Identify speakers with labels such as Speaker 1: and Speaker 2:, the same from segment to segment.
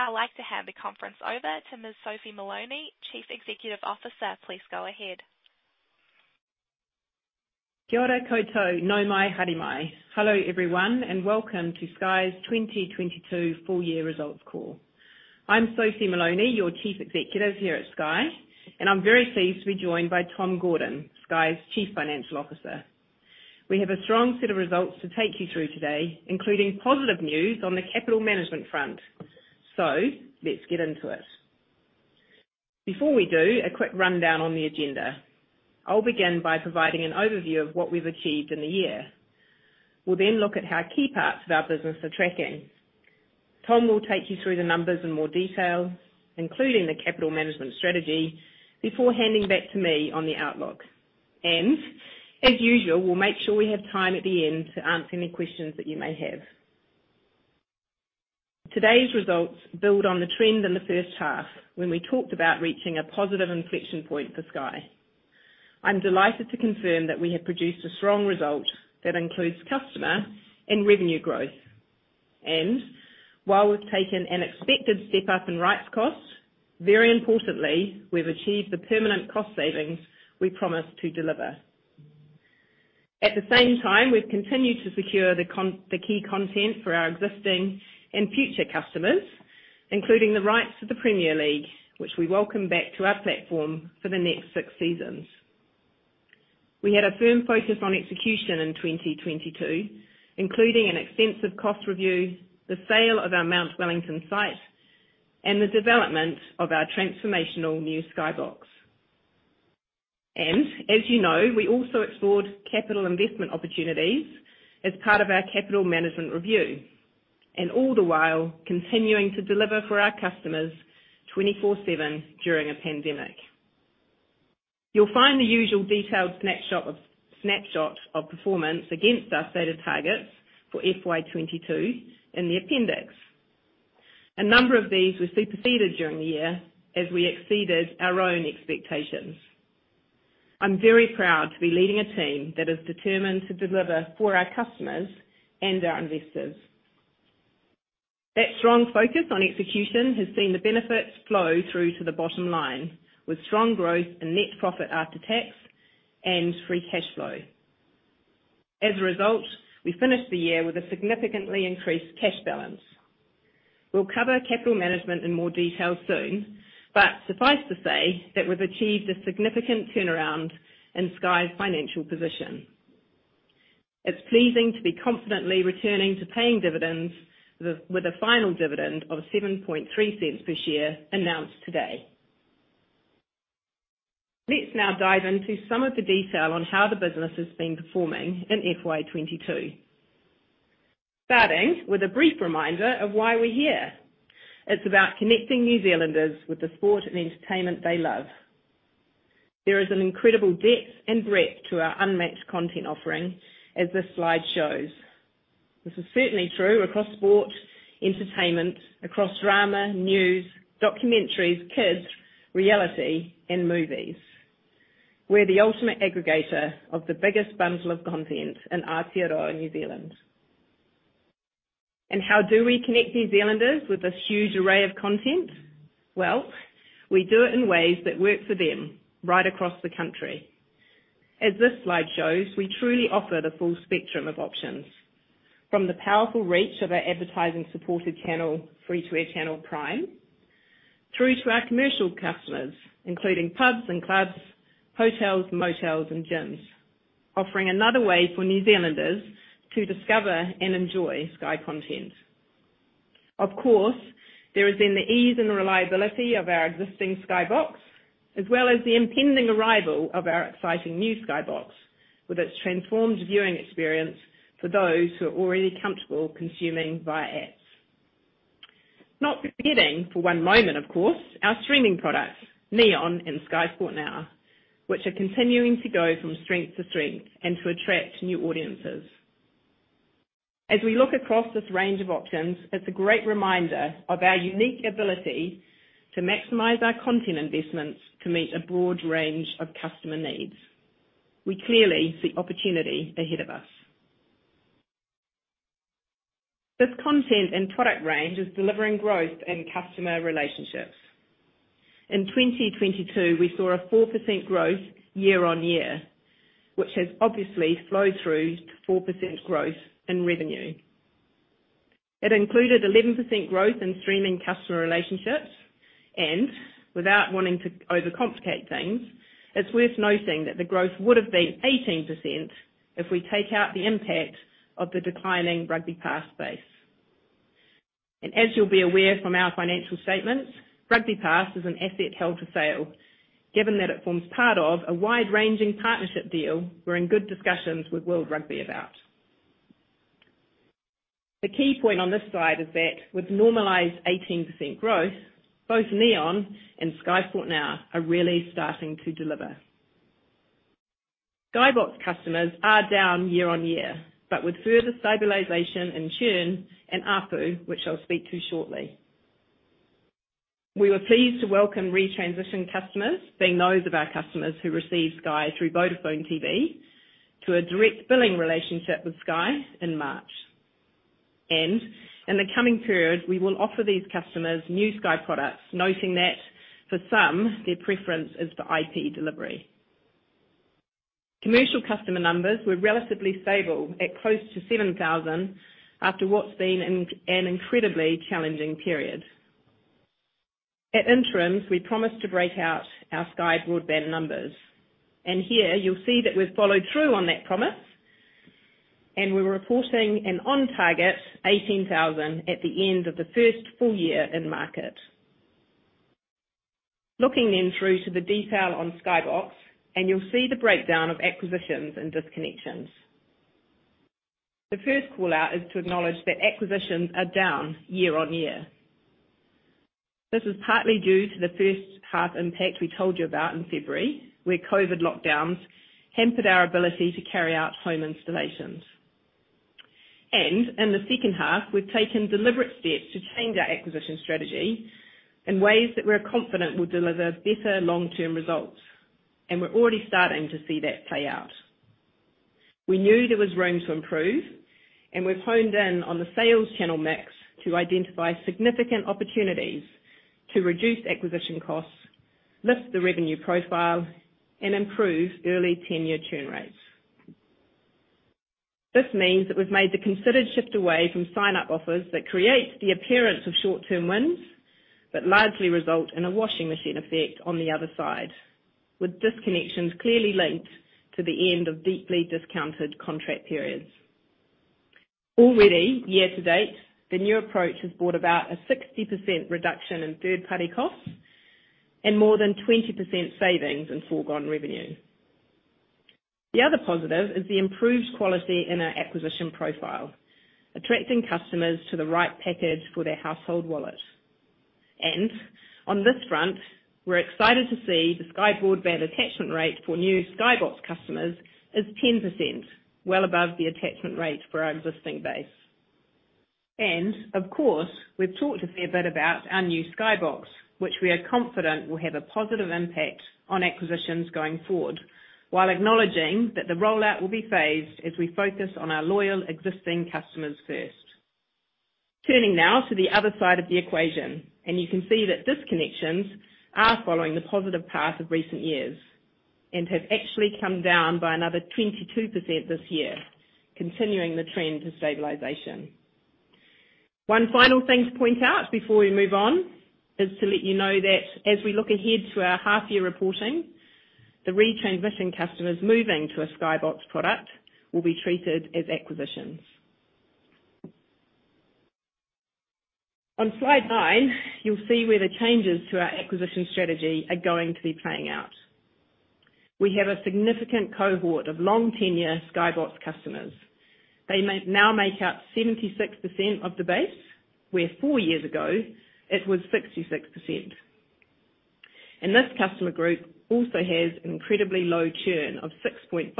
Speaker 1: Would now like to have the conference over to Ms. Sophie Moloney, Chief Executive Officer. Please go ahead.
Speaker 2: Kia ora koutou. Nau mai, haere mai. Hello, everyone, and welcome to Sky's 2022 full year results call. I'm Sophie Moloney, your Chief Executive here at Sky, and I'm very pleased to be joined by Tom Gordon, Sky's Chief Financial Officer. We have a strong set of results to take you through today, including positive news on the capital management front. Let's get into it. Before we do, a quick rundown on the agenda. I'll begin by providing an overview of what we've achieved in the year. We'll then look at how key parts of our business are tracking. Tom will take you through the numbers in more detail, including the capital management strategy, before handing back to me on the outlook. As usual, we'll make sure we have time at the end to answer any questions that you may have. Today's results build on the trend in the first half when we talked about reaching a positive inflection point for Sky. I'm delighted to confirm that we have produced a strong result that includes customer and revenue growth. While we've taken an expected step up in rights costs, very importantly, we've achieved the permanent cost savings we promised to deliver. At the same time, we've continued to secure the key content for our existing and future customers, including the rights to the Premier League, which we welcome back to our platform for the next six seasons. We had a firm focus on execution in 2022, including an extensive cost review, the sale of our Mount Wellington site, and the development of our transformational new Sky Box. As you know, we also explored capital investment opportunities as part of our capital management review, and all the while continuing to deliver for our customers 24/7 during a pandemic. You'll find the usual detailed snapshot of performance against our stated targets for FY 2022 in the appendix. A number of these were superseded during the year as we exceeded our own expectations. I'm very proud to be leading a team that is determined to deliver for our customers and our investors. That strong focus on execution has seen the benefits flow through to the bottom line, with strong growth in net profit after tax and free cash flow. As a result, we finished the year with a significantly increased cash balance. We'll cover capital management in more detail soon, but suffice to say that we've achieved a significant turnaround in Sky's financial position. It's pleasing to be confidently returning to paying dividends with a final dividend of 0.073 per share announced today. Let's now dive into some of the detail on how the business has been performing in FY 2022. Starting with a brief reminder of why we're here. It's about connecting New Zealanders with the sport and entertainment they love. There is an incredible depth and breadth to our unmatched content offering, as this slide shows. This is certainly true across sport, entertainment, across drama, news, documentaries, kids, reality, and movies. We're the ultimate aggregator of the biggest bundle of content in Aotearoa, New Zealand. How do we connect New Zealanders with this huge array of content? Well, we do it in ways that work for them right across the country. As this slide shows, we truly offer the full spectrum of options, from the powerful reach of our advertising-supported channel, free-to-air channel Prime, through to our commercial customers, including pubs and clubs, hotels, motels, and gyms. Offering another way for New Zealanders to discover and enjoy Sky content. Of course, there is then the ease and reliability of our existing Sky Box, as well as the impending arrival of our exciting new Sky Box, with its transformed viewing experience for those who are already comfortable consuming via apps. Not forgetting for one moment, of course, our streaming products, Neon and Sky Sport Now, which are continuing to go from strength to strength and to attract new audiences. As we look across this range of options, it's a great reminder of our unique ability to maximize our content investments to meet a broad range of customer needs. We clearly see opportunity ahead of us. This content and product range is delivering growth in customer relationships. In 2022, we saw a 4% growth year-on-year, which has obviously flowed through to 4% growth in revenue. It included 11% growth in streaming customer relationships. Without wanting to overcomplicate things, it's worth noting that the growth would have been 18% if we take out the impact of the declining RugbyPass base. As you'll be aware from our financial statements, RugbyPass is an asset held for sale. Given that it forms part of a wide-ranging partnership deal we're in good discussions with World Rugby about. The key point on this slide is that with normalized 18% growth, both Neon and Sky Sport Now are really starting to deliver. Sky Box customers are down year on year, but with further stabilization in churn and ARPU, which I'll speak to shortly. We were pleased to welcome re-transition customers, being those of our customers who received Sky through Vodafone TV, to a direct billing relationship with Sky in March. In the coming period, we will offer these customers new Sky products, noting that for some, their preference is for IP delivery. Commercial customer numbers were relatively stable at close to 7,000 after what's been an incredibly challenging period. At Interims, we promised to break out our Sky Broadband numbers. Here, you'll see that we've followed through on that promise, and we're reporting an on-target 18,000 at the end of the first full year in market. Looking into the detail on Sky Box, you'll see the breakdown of acquisitions and disconnections. The first call-out is to acknowledge that acquisitions are down year on year. This is partly due to the first half impact we told you about in February, where COVID lockdowns hampered our ability to carry out home installations. In the second half, we've taken deliberate steps to change our acquisition strategy in ways that we're confident will deliver better long-term results, and we're already starting to see that play out. We knew there was room to improve, and we've honed in on the sales channel mix to identify significant opportunities to reduce acquisition costs, lift the revenue profile, and improve early tenure churn rates. This means that we've made the considered shift away from sign-up offers that create the appearance of short-term wins, but largely result in a washing machine effect on the other side, with disconnections clearly linked to the end of deeply discounted contract periods. Already, year to date, the new approach has brought about a 60% reduction in third-party costs and more than 20% savings in foregone revenue. The other positive is the improved quality in our acquisition profile, attracting customers to the right package for their household wallet. On this front, we're excited to see the Sky Broadband attachment rate for new Sky Box customers is 10%, well above the attachment rate for our existing base. Of course, we've talked a fair bit about our new Sky Box, which we are confident will have a positive impact on acquisitions going forward, while acknowledging that the rollout will be phased as we focus on our loyal existing customers first. Turning now to the other side of the equation, and you can see that disconnections are following the positive path of recent years and have actually come down by another 22% this year, continuing the trend to stabilization. One final thing to point out before we move on is to let you know that as we look ahead to our half-year reporting, the re-transition customers moving to a Sky Box product will be treated as acquisitions. On slide nine, you'll see where the changes to our acquisition strategy are going to be playing out. We have a significant cohort of long tenure Sky Box customers. They now make up 76% of the base, where four years ago, it was 66%. This customer group also has incredibly low churn of 6.5%.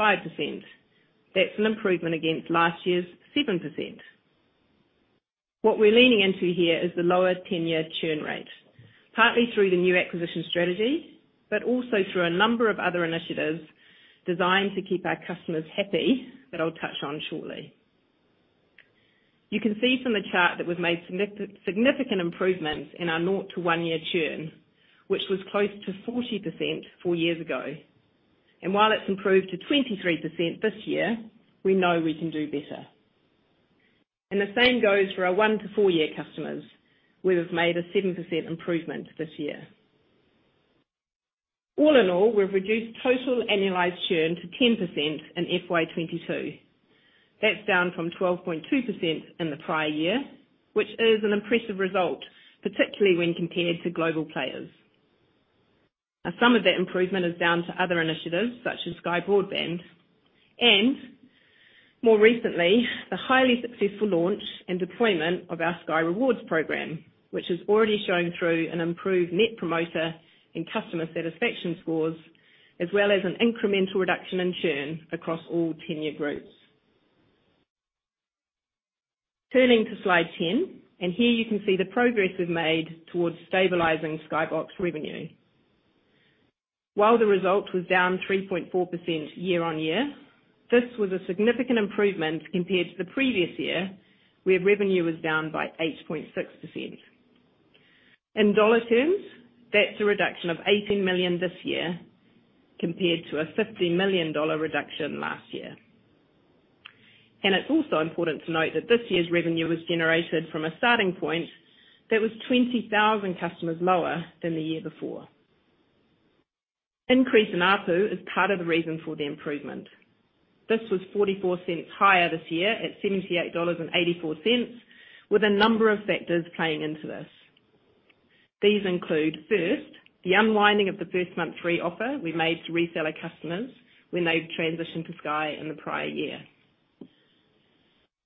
Speaker 2: That's an improvement against last year's 7%. What we're leaning into here is the lower tenure churn rate, partly through the new acquisition strategy, but also through a number of other initiatives designed to keep our customers happy that I'll touch on shortly. You can see from the chart that we've made significant improvements in our 0-1 year churn, which was close to 40%, four years ago. While it's improved to 23% this year, we know we can do better. The same goes for our 1-4 year customers, where we've made a 7% improvement this year. All in all, we've reduced total annualized churn to 10% in FY 2022. That's down from 12.2% in the prior year, which is an impressive result, particularly when compared to global players. Now some of that improvement is down to other initiatives, such as Sky Broadband, and more recently, the highly successful launch and deployment of our Sky Rewards program, which has already shown through an improved Net Promoter in customer satisfaction scores, as well as an incremental reduction in churn across all tenure groups. Turning to slide 10, here you can see the progress we've made towards stabilizing Sky Box revenue. While the result was down 3.4% year-on-year, this was a significant improvement compared to the previous year, where revenue was down by 8.6%. In dollar terms, that's a reduction of 18 million this year compared to a 50 million dollar reduction last year. It's also important to note that this year's revenue was generated from a starting point that was 20,000 customers lower than the year before. Increase in ARPU is part of the reason for the improvement. This was 44 cents higher this year at 78.84 dollars, with a number of factors playing into this. These include, first, the unwinding of the first-month free offer we made to reseller customers when they transitioned to Sky in the prior year.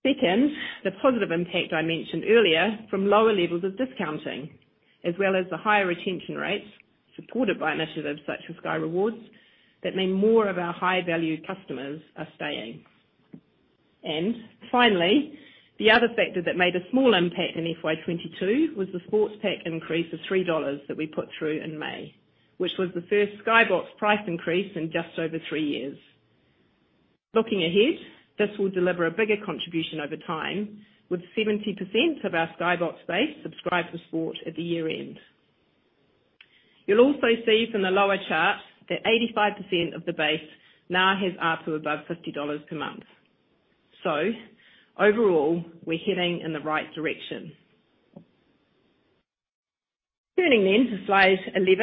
Speaker 2: Second, the positive impact I mentioned earlier from lower levels of discounting, as well as the higher retention rates supported by initiatives such as Sky Rewards that mean more of our high-value customers are staying. Finally, the other factor that made a small impact in FY 2022 was the sports pack increase of 3 dollars that we put through in May, which was the first Sky Box price increase in just over three years. Looking ahead, this will deliver a bigger contribution over time, with 70% of our Sky Box base subscribed to sport at the year end. You'll also see from the lower chart that 85% of the base now has up to above 50 dollars per month. Overall, we're heading in the right direction. Turning then to slide 11.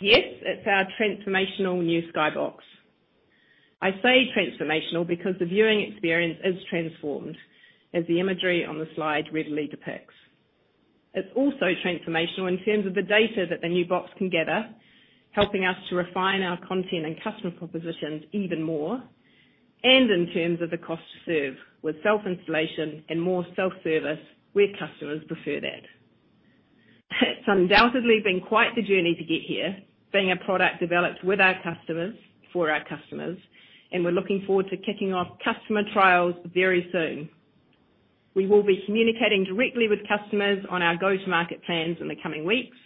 Speaker 2: Yes, it's our transformational new Sky Box. I say transformational because the viewing experience is transformed as the imagery on the slide readily depicts. It's also transformational in terms of the data that the new box can gather, helping us to refine our content and customer propositions even more. In terms of the cost to serve with self-installation and more self-service where customers prefer that. It's undoubtedly been quite the journey to get here, being a product developed with our customers, for our customers, and we're looking forward to kicking off customer trials very soon. We will be communicating directly with customers on our go-to-market plans in the coming weeks,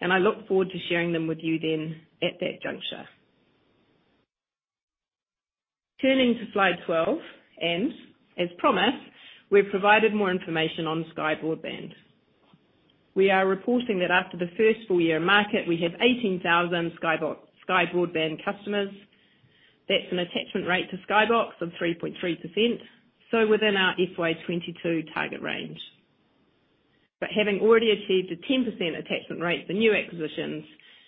Speaker 2: and I look forward to sharing them with you then at that juncture. Turning to slide 12, and as promised, we've provided more information on Sky Broadband. We are reporting that after the first full year market, we have 18,000 Sky Broadband customers. That's an attachment rate to Sky Box of 3.3%, so within our FY 2022 target range. Having already achieved a 10% attachment rate for new acquisitions,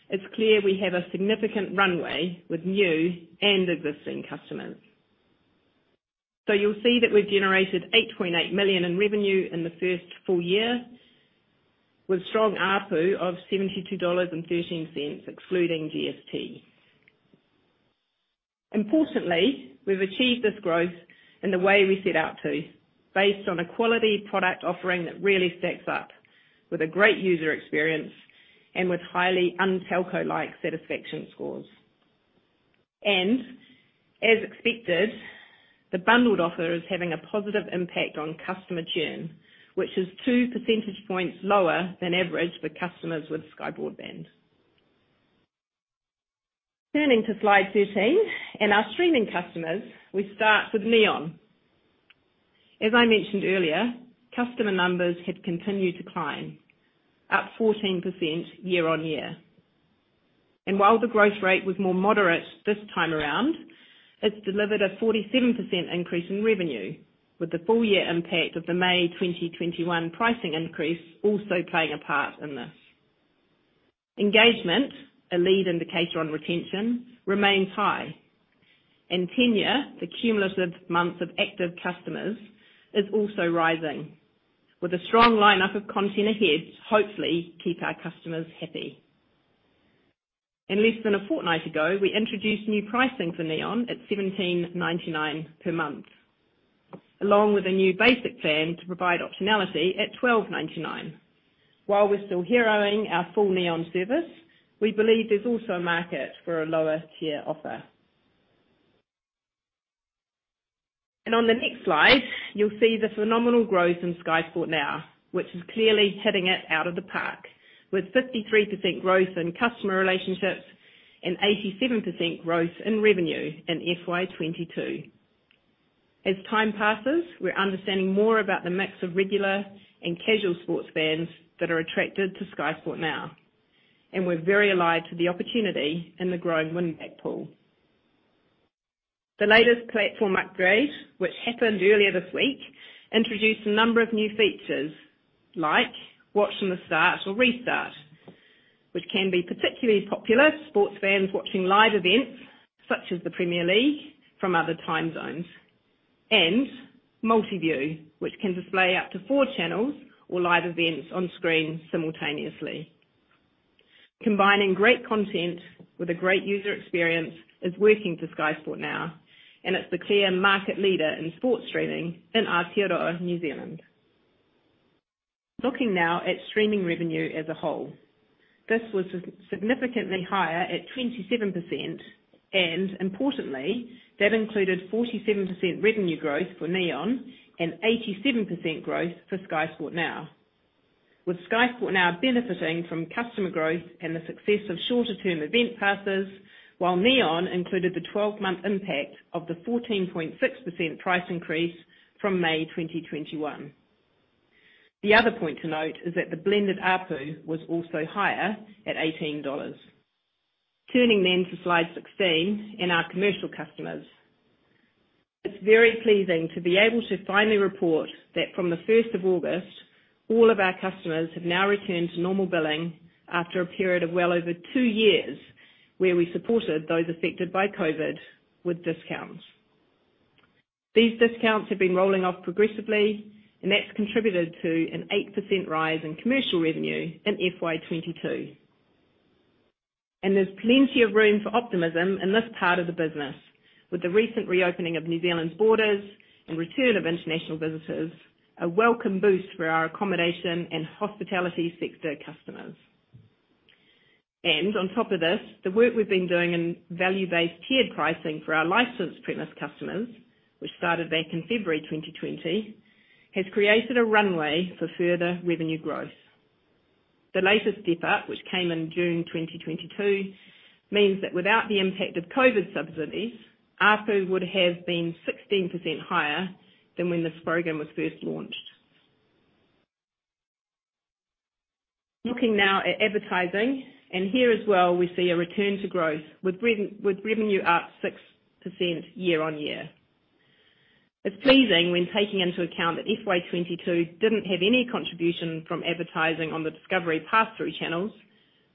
Speaker 2: it's clear we have a significant runway with new and existing customers. You'll see that we've generated 8.8 million in revenue in the first full year, with strong ARPU of 72.13 dollars, excluding GST. Importantly, we've achieved this growth in the way we set out to, based on a quality product offering that really stacks up with a great user experience and with highly un-telco-like satisfaction scores. As expected, the bundled offer is having a positive impact on customer churn, which is two percentage points lower than average for customers with Sky Broadband. Turning to slide 13 and our streaming customers, we start with Neon. As I mentioned earlier, customer numbers have continued to climb, up 14% year-on-year. While the growth rate was more moderate this time around, it's delivered a 47% increase in revenue, with the full year impact of the May 2021 pricing increase also playing a part in this. Engagement, a lead indicator on retention, remains high. Tenure, the cumulative months of active customers, is also rising. With a strong lineup of content ahead, hopefully keep our customers happy. Less than a fortnight ago, we introduced new pricing for Neon at NZD 17.99 per month, along with a new basic plan to provide optionality at NZD 12.99. While we're still heroing our full Neon service, we believe there's also a market for a lower tier offer. On the next slide, you'll see the phenomenal growth in Sky Sport Now, which is clearly hitting it out of the park, with 53% growth in customer relationships and 87% growth in revenue in FY 2022. As time passes, we're understanding more about the mix of regular and casual sports fans that are attracted to Sky Sport Now, and we're very alive to the opportunity in the growing win-back pool. The latest platform upgrade, which happened earlier this week, introduced a number of new features, like watch from the start or restart, which can be particularly popular to sports fans watching live events such as the Premier League from other time zones, and multiview, which can display up to four channels or live events on screen simultaneously. Combining great content with a great user experience is working for Sky Sport Now, and it's the clear market leader in sports streaming in Aotearoa, New Zealand. Looking now at streaming revenue as a whole. This was significantly higher at 27%, and importantly, that included 47% revenue growth for Neon and 87% growth for Sky Sport Now. With Sky Sport Now benefiting from customer growth and the success of shorter term event passes, while Neon included the twelve-month impact of the 14.6% price increase from May 2021. The other point to note is that the blended ARPU was also higher at 18 dollars. Turning to slide 16 and our commercial customers. It's very pleasing to be able to finally report that from the first of August, all of our customers have now returned to normal billing after a period of well over two years where we supported those affected by COVID with discounts. These discounts have been rolling off progressively, and that's contributed to an 8% rise in commercial revenue in FY 2022. There's plenty of room for optimism in this part of the business with the recent reopening of New Zealand's borders and return of international visitors, a welcome boost for our accommodation and hospitality sector customers. On top of this, the work we've been doing in value-based tiered pricing for our licensed premise customers, which started back in February 2020, has created a runway for further revenue growth. The latest step up, which came in June 2022, means that without the impact of COVID subsidies, ARPU would have been 16% higher than when this program was first launched. Looking now at advertising, and here as well, we see a return to growth with revenue up 6% year-on-year. It's pleasing when taking into account that FY 2022 didn't have any contribution from advertising on the Discovery pass-through channels,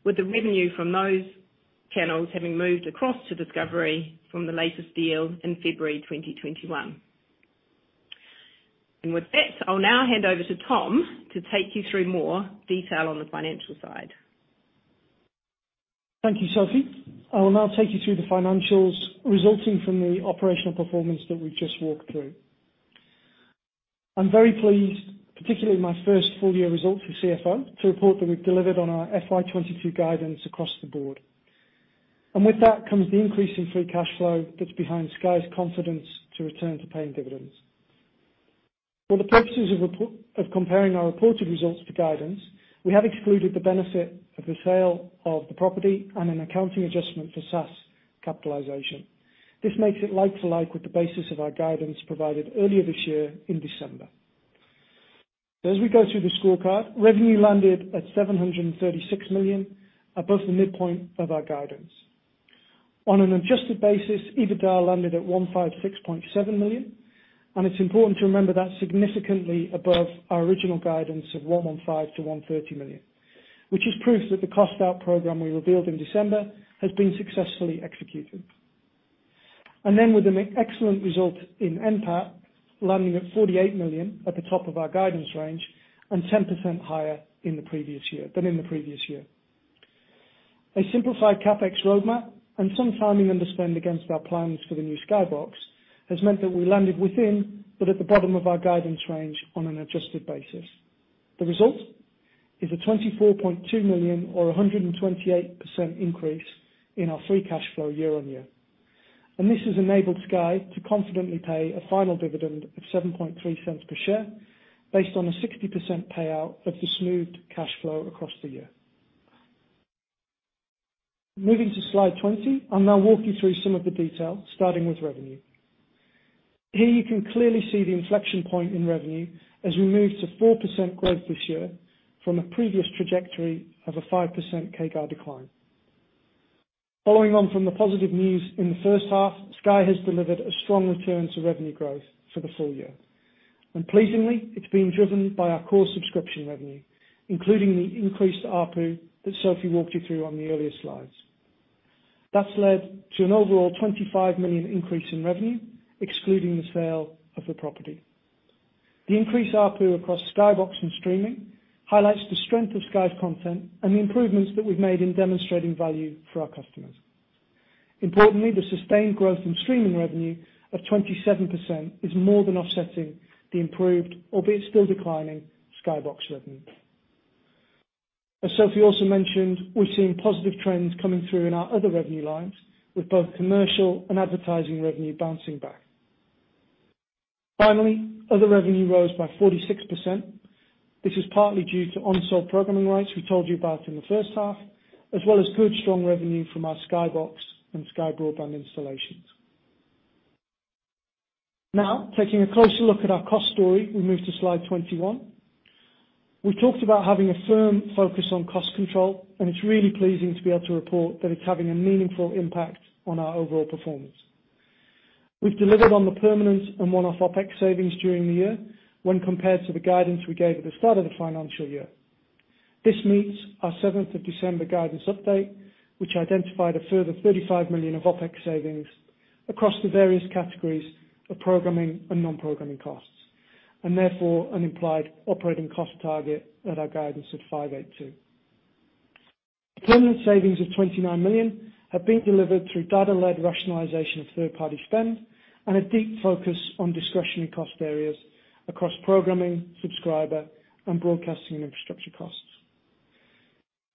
Speaker 2: with the revenue from those channels having moved across to Discovery from the latest deal in February 2021. With that, I'll now hand over to Tom to take you through more detail on the financial side.
Speaker 3: Thank you, Sophie. I will now take you through the financials resulting from the operational performance that we've just walked through. I'm very pleased, particularly my first full year results as CFO, to report that we've delivered on our FY 2022 guidance across the board. With that comes the increase in free cash flow that's behind Sky's confidence to return to paying dividends. For the purposes of comparing our reported results to guidance, we have excluded the benefit of the sale of the property and an accounting adjustment for SaaS capitalization. This makes it like-for-like with the basis of our guidance provided earlier this year in December. As we go through the scorecard, revenue landed at 736 million, above the midpoint of our guidance. On an adjusted basis, EBITDA landed at 156.7 million, and it's important to remember that's significantly above our original guidance of 115 million-130 million, which is proof that the cost out program we revealed in December has been successfully executed. With an excellent result in NPAT, landing at 48 million at the top of our guidance range and 10% higher than in the previous year. A simplified CapEx roadmap and some timing underspend against our plans for the new Sky Box has meant that we landed within, but at the bottom of our guidance range on an adjusted basis. The result is a 24.2 million or 128% increase in our free cash flow year-on-year. This has enabled Sky to confidently pay a final dividend of 0.073 per share based on a 60% payout of the smoothed cash flow across the year. Moving to slide 20, I'll now walk you through some of the details, starting with revenue. Here you can clearly see the inflection point in revenue as we move to 4% growth this year from a previous trajectory of a 5% CAGR decline. Following on from the positive news in the first half, Sky has delivered a strong return to revenue growth for the full year. Pleasingly, it's been driven by our core subscription revenue, including the increased ARPU that Sophie walked you through on the earlier slides. That's led to an overall 25 million increase in revenue, excluding the sale of the property. The increased ARPU across Sky Box and streaming highlights the strength of Sky's content and the improvements that we've made in demonstrating value for our customers. Importantly, the sustained growth in streaming revenue of 27% is more than offsetting the improved, albeit still declining, Sky Box revenue. As Sophie also mentioned, we're seeing positive trends coming through in our other revenue lines with both commercial and advertising revenue bouncing back. Finally, other revenue rose by 46%. This is partly due to unsold programming rights we told you about in the first half, as well as good strong revenue from our Sky Box and Sky Broadband installations. Now, taking a closer look at our cost story, we move to slide 21. We talked about having a firm focus on cost control, and it's really pleasing to be able to report that it's having a meaningful impact on our overall performance. We've delivered on the permanent and one-off OpEx savings during the year when compared to the guidance we gave at the start of the financial year. This meets our seventh of December guidance update, which identified a further 35 million of OpEx savings across the various categories of programming and non-programming costs, and therefore an implied operating cost target at our guidance of 582 million. Permanent savings of 29 million have been delivered through data-led rationalization of third-party spend and a deep focus on discretionary cost areas across programming, subscriber, and broadcasting and infrastructure costs.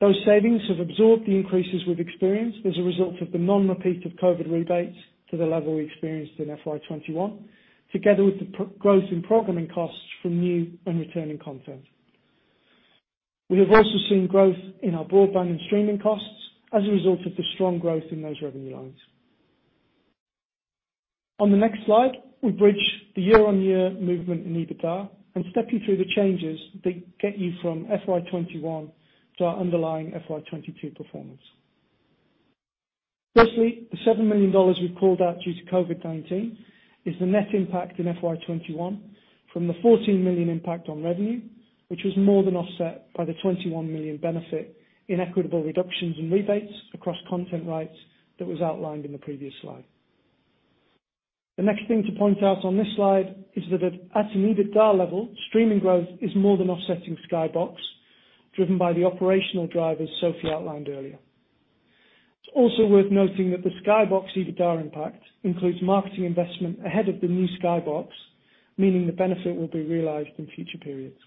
Speaker 3: Those savings have absorbed the increases we've experienced as a result of the non-repeat of COVID rebates to the level we experienced in FY21, together with the growth in programming costs from new and returning content. We have also seen growth in our broadband and streaming costs as a result of the strong growth in those revenue lines. On the next slide, we bridge the year-on-year movement in EBITDA and step you through the changes that get you from FY 2021 to our underlying FY 2022 performance. Firstly, the 7 million dollars we've called out due to COVID-19 is the net impact in FY 2021 from the 14 million impact on revenue, which was more than offset by the 21 million benefit in equitable reductions and rebates across content rights that was outlined in the previous slide. The next thing to point out on this slide is that at an EBITDA level, streaming growth is more than offsetting Sky Box, driven by the operational drivers Sophie outlined earlier. It's also worth noting that the Sky Box EBITDA impact includes marketing investment ahead of the new Sky Box, meaning the benefit will be realized in future periods.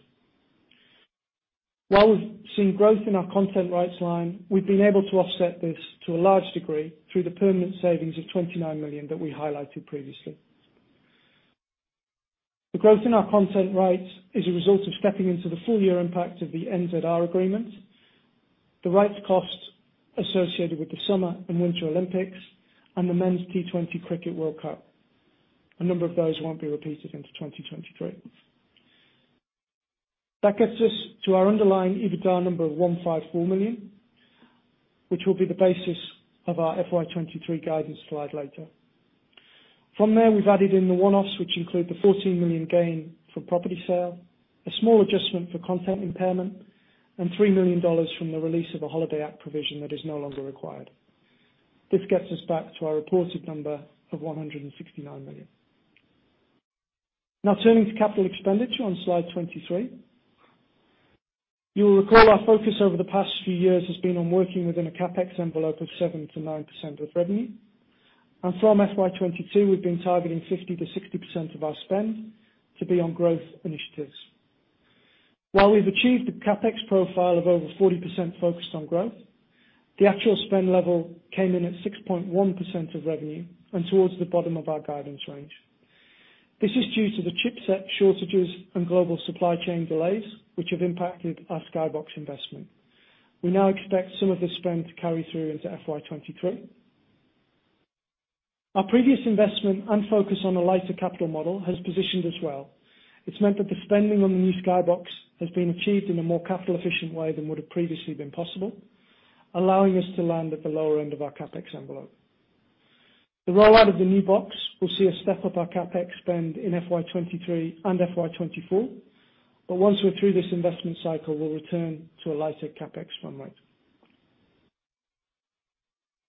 Speaker 3: While we've seen growth in our content rights line, we've been able to offset this to a large degree through the permanent savings of 29 million that we highlighted previously. The growth in our content rights is a result of stepping into the full year impact of the NZR agreement, the rights cost associated with the Summer and Winter Olympics, and the Men's T20 Cricket World Cup. A number of those won't be repeated into 2023. That gets us to our underlying EBITDA number of 154 million, which will be the basis of our FY 2023 guidance slide later. From there, we've added in the one-offs, which include the 14 million gain for property sale, a small adjustment for content impairment, and 3 million from the release of a Holidays Act provision that is no longer required. This gets us back to our reported number of 169 million. Now turning to capital expenditure on slide 23. You'll recall our focus over the past few years has been on working within a CapEx envelope of 7%-9% of revenue, and from FY 2022, we've been targeting 50%-60% of our spend to be on growth initiatives. While we've achieved a CapEx profile of over 40% focused on growth, the actual spend level came in at 6.1% of revenue and towards the bottom of our guidance range. This is due to the chipset shortages and global supply chain delays, which have impacted our Sky Box investment. We now expect some of this spend to carry through into FY23. Our previous investment and focus on a lighter capital model has positioned us well. It's meant that the spending on the new Sky Box has been achieved in a more capital-efficient way than would have previously been possible, allowing us to land at the lower end of our CapEx envelope. The rollout of the new box will see us step up our CapEx spend in FY23 and FY24, but once we're through this investment cycle, we'll return to a lighter CapEx run rate.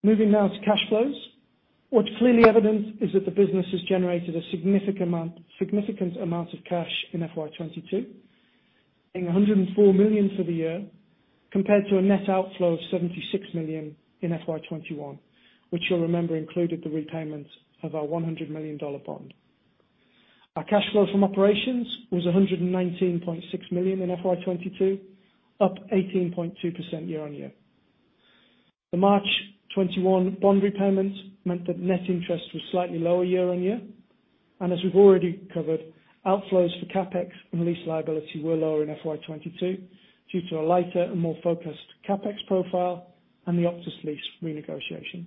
Speaker 3: Moving now to cash flows. What's clearly evident is that the business has generated a significant amount of cash in FY22, 104 million for the year compared to a net outflow of 76 million in FY21, which you'll remember included the repayment of our NZD 100 million bond. Our cash flow from operations was 119.6 million in FY22, up 18.2% year-on-year. The March 2021 bond repayment meant that net interest was slightly lower year-on-year. We've already covered, outflows for CapEx and lease liability were lower in FY22 due to a lighter and more focused CapEx profile and the Optus lease renegotiation.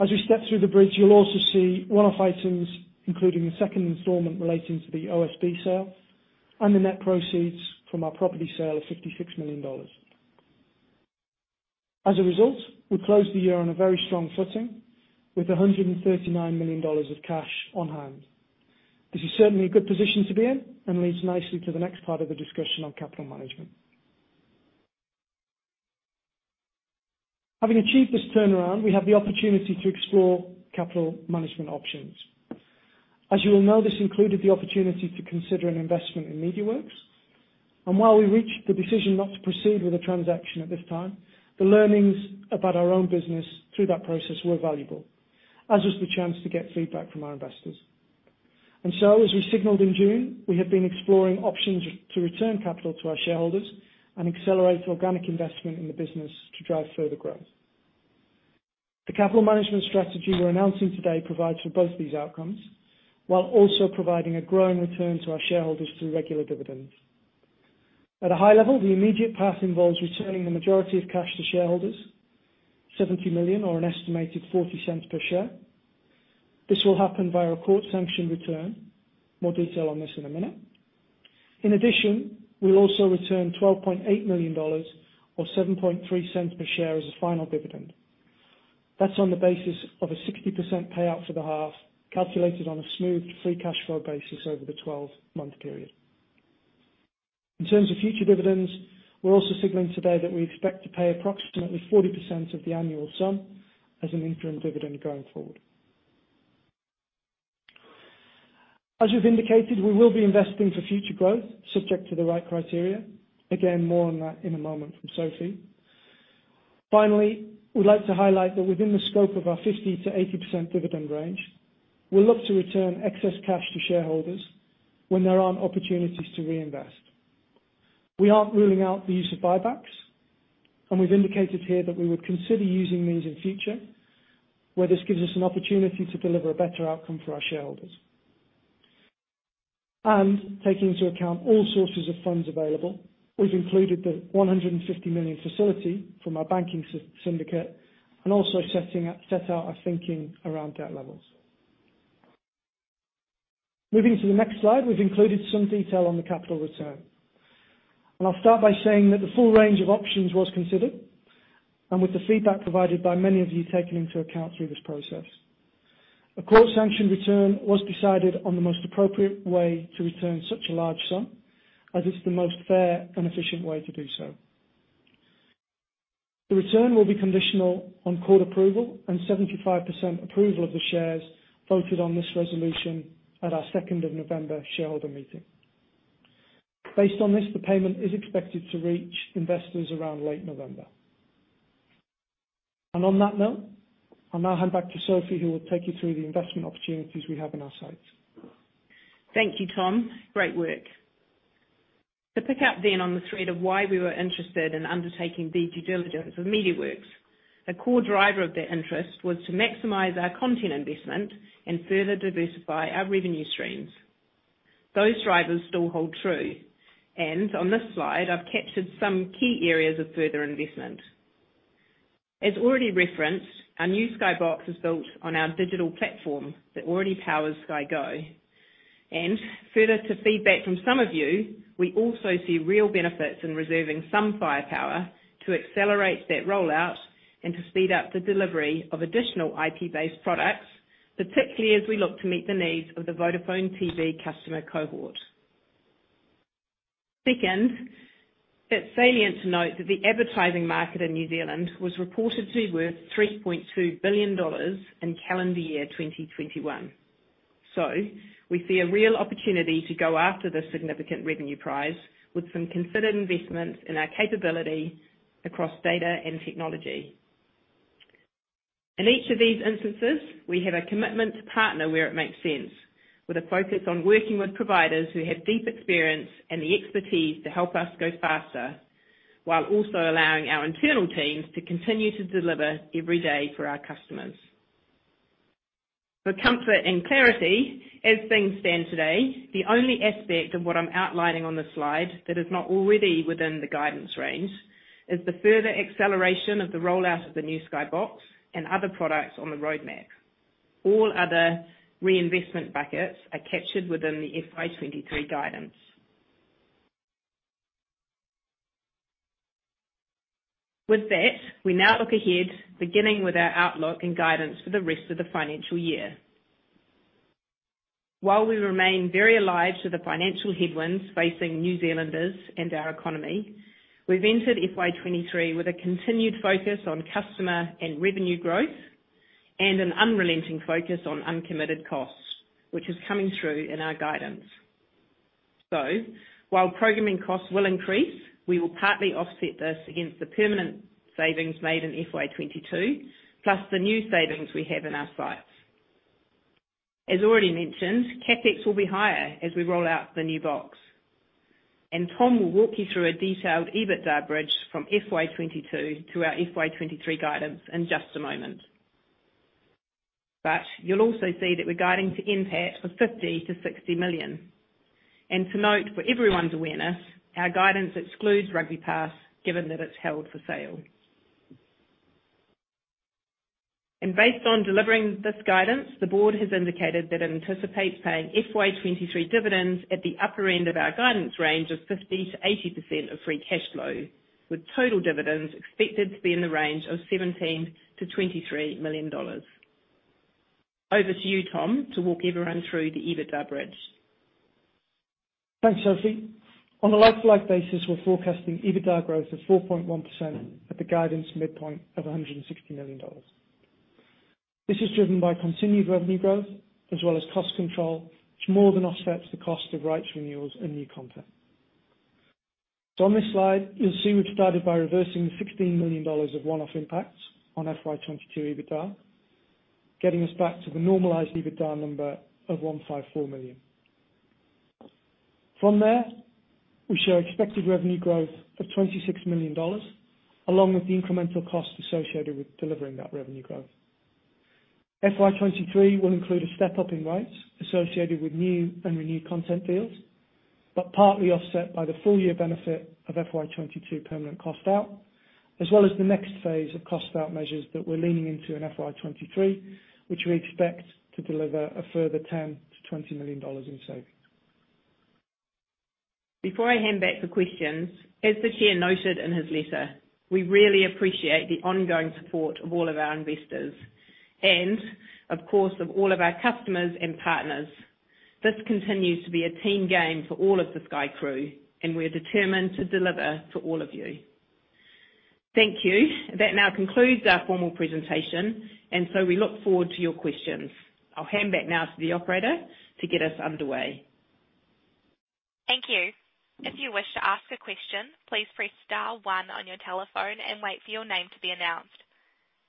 Speaker 3: As we step through the bridge, you'll also see one-off items, including the second installment relating to the OSB sale and the net proceeds from our property sale of 56 million dollars. As a result, we closed the year on a very strong footing with 139 million dollars of cash on-hand. This is certainly a good position to be in and leads nicely to the next part of the discussion on capital management. Having achieved this turnaround, we have the opportunity to explore capital management options. As you will know, this included the opportunity to consider an investment in MediaWorks. While we reached the decision not to proceed with a transaction at this time, the learnings about our own business through that process were valuable, as was the chance to get feedback from our investors. As we signaled in June, we have been exploring options to return capital to our shareholders and accelerate organic investment in the business to drive further growth. The capital management strategy we're announcing today provides for both these outcomes, while also providing a growing return to our shareholders through regular dividends. At a high level, the immediate path involves returning the majority of cash to shareholders, 70 million or an estimated 0.40 per share. This will happen via a court-sanctioned return. More detail on this in a minute. In addition, we'll also return 12.8 million dollars or 0.073 per share as a final dividend. That's on the basis of a 60% payout for the half, calculated on a smoothed free cash flow basis over the 12-month period. In terms of future dividends, we're also signaling today that we expect to pay approximately 40% of the annual sum as an interim dividend going forward. As we've indicated, we will be investing for future growth subject to the right criteria. Again, more on that in a moment from Sophie. Finally, we'd like to highlight that within the scope of our 50%-80% dividend range, we look to return excess cash to shareholders when there aren't opportunities to reinvest. We aren't ruling out the use of buybacks, and we've indicated here that we would consider using these in future where this gives us an opportunity to deliver a better outcome for our shareholders. Taking into account all sources of funds available, we've included the 150 million facility from our banking syndicate and also set out our thinking around debt levels. Moving to the next slide, we've included some detail on the capital return. I'll start by saying that the full range of options was considered, and with the feedback provided by many of you taken into account through this process. A court-sanctioned return was decided on the most appropriate way to return such a large sum, as it's the most fair and efficient way to do so. The return will be conditional on court approval and 75% approval of the shares voted on this resolution at our second of November shareholder meeting. Based on this, the payment is expected to reach investors around late November. On that note, I'll now hand back to Sophie, who will take you through the investment opportunities we have in our sights.
Speaker 2: Thank you, Tom. Great work. To pick up on the thread of why we were interested in undertaking due diligence of MediaWorks, a core driver of that interest was to maximize our content investment and further diversify our revenue streams. Those drivers still hold true, and on this slide, I've captured some key areas of further investment. As already referenced, our new Sky Box is built on our digital platform that already powers Sky Go. Further to feedback from some of you, we also see real benefits in reserving some firepower to accelerate that rollout and to speed up the delivery of additional IP-based products, particularly as we look to meet the needs of the Vodafone TV customer cohort. Second, it's salient to note that the advertising market in New Zealand was reportedly worth 3.2 billion dollars in calendar year 2021. We see a real opportunity to go after this significant revenue prize with some considered investments in our capability across data and technology. In each of these instances, we have a commitment to partner where it makes sense, with a focus on working with providers who have deep experience and the expertise to help us go faster, while also allowing our internal teams to continue to deliver every day for our customers. For comfort and clarity, as things stand today, the only aspect of what I'm outlining on this slide that is not already within the guidance range is the further acceleration of the rollout of the new Sky Box and other products on the roadmap. All other reinvestment buckets are captured within the FY23 guidance. With that, we now look ahead, beginning with our outlook and guidance for the rest of the financial year. While we remain very alive to the financial headwinds facing New Zealanders and our economy, we've entered FY23 with a continued focus on customer and revenue growth and an unrelenting focus on uncommitted costs, which is coming through in our guidance. While programming costs will increase, we will partly offset this against the permanent savings made in FY22, plus the new savings we have in our sights. As already mentioned, CapEx will be higher as we roll out the new box. Tom will walk you through a detailed EBITDA bridge from FY22 to our FY23 guidance in just a moment. You'll also see that we're guiding to NPAT of 50 million-60 million. To note for everyone's awareness, our guidance excludes RugbyPass, given that it's held for sale. Based on delivering this guidance, the board has indicated that it anticipates paying FY23 dividends at the upper end of our guidance range of 50%-80% of free cash flow, with total dividends expected to be in the range of 17 million-23 million dollars. Over to you, Tom, to walk everyone through the EBITDA bridge.
Speaker 3: Thanks, Sophie. On a like-for-like basis, we're forecasting EBITDA growth of 4.1% at the guidance midpoint of 160 million dollars. This is driven by continued revenue growth as well as cost control, which more than offsets the cost of rights renewals and new content. On this slide, you'll see we've started by reversing the 15 million dollars of one-off impacts on FY22 EBITDA, getting us back to the normalized EBITDA number of 154 million. From there, we show expected revenue growth of 26 million dollars, along with the incremental costs associated with delivering that revenue growth. FY23 will include a step-up in rights associated with new and renewed content deals, but partly offset by the full-year benefit of FY22 permanent cost out, as well as the next phase of cost out measures that we're leaning into in FY23, which we expect to deliver a further 10 million-20 million dollars in savings.
Speaker 2: Before I hand back for questions, as the chair noted in his letter, we really appreciate the ongoing support of all of our investors and, of course, of all of our customers and partners. This continues to be a team game for all of the Sky crew, and we're determined to deliver to all of you. Thank you. That now concludes our formal presentation, and so we look forward to your questions. I'll hand back now to the operator to get us underway.
Speaker 1: Thank you. If you wish to ask a question, please press star one on your telephone and wait for your name to be announced.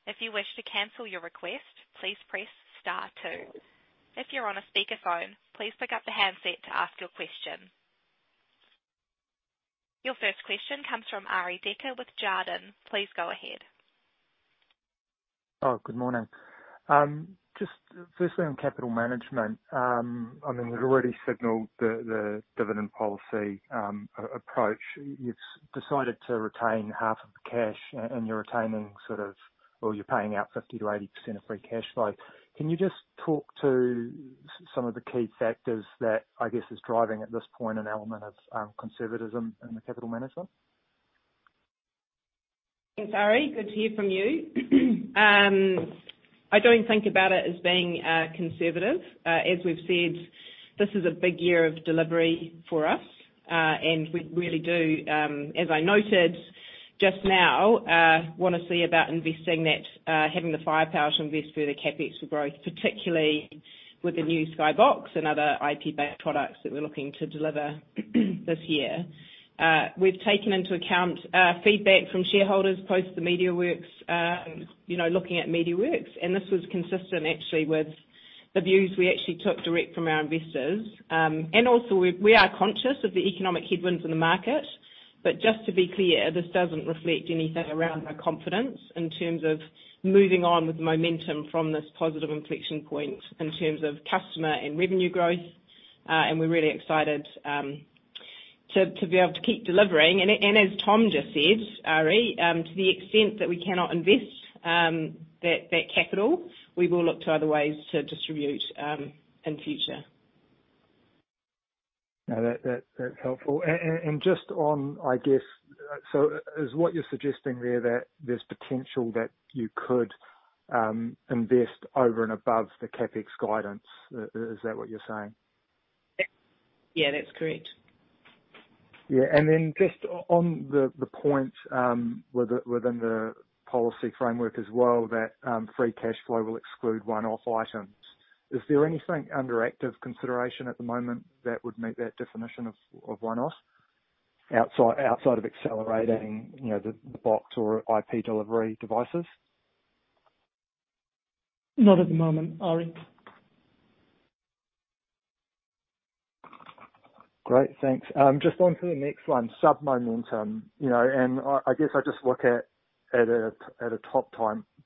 Speaker 1: If you wish to cancel your request, please press star two. If you're on a speakerphone, please pick up the handset to ask your question. Your first question comes from Arie Dekker with Jarden. Please go ahead.
Speaker 4: Good morning. Just firstly on capital management, I mean, you've already signaled the dividend policy approach. You've decided to retain half of the cash, and you're paying out 50%-80% of free cash flow. Can you just talk to some of the key factors that, I guess, is driving at this point an element of conservatism in the capital management?
Speaker 2: Thanks, Arie. Good to hear from you. I don't think about it as being conservative. As we've said, this is a big year of delivery for us, and we really do, as I noted just now, want to see about investing that, having the firepower to invest further CapEx for growth, particularly with the new Sky Box and other IP-based products that we're looking to deliver this year. We've taken into account feedback from shareholders, post the MediaWorks, you know, looking at MediaWorks, and this was consistent actually with the views we actually took direct from our investors. We are conscious of the economic headwinds in the market. Just to be clear, this doesn't reflect anything around our confidence in terms of moving on with momentum from this positive inflection point in terms of customer and revenue growth. We're really excited to be able to keep delivering. As Tom just said, Arie, to the extent that we cannot invest that capital, we will look to other ways to distribute in future.
Speaker 4: No. That's helpful. Just on, I guess. Is what you're suggesting there that there's potential that you could invest over and above the CapEx guidance? Is that what you're saying?
Speaker 2: Yeah. Yeah, that's correct.
Speaker 4: Just on the point within the policy framework as well, that free cash flow will exclude one-off items, is there anything under active consideration at the moment that would meet that definition of one-off outside of accelerating, you know, the box or IP delivery devices?
Speaker 3: Not at the moment, Arie.
Speaker 4: Great. Thanks. Just onto the next one, sub momentum, you know, and I guess I just look at a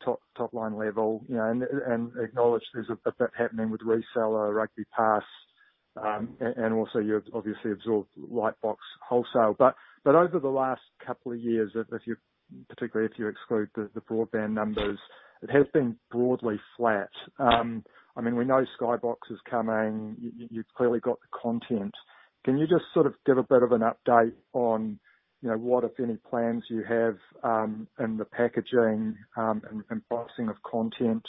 Speaker 4: top-line level, you know, and acknowledge there's a bit happening with reseller RugbyPass, and also you've obviously absorbed Lightbox Wholesale. Over the last couple of years, if you, particularly if you exclude the broadband numbers, it has been broadly flat. I mean, we know Sky Box is coming. You've clearly got the content. Can you just sort of give a bit of an update on, you know, what, if any, plans you have in the packaging and pricing of content,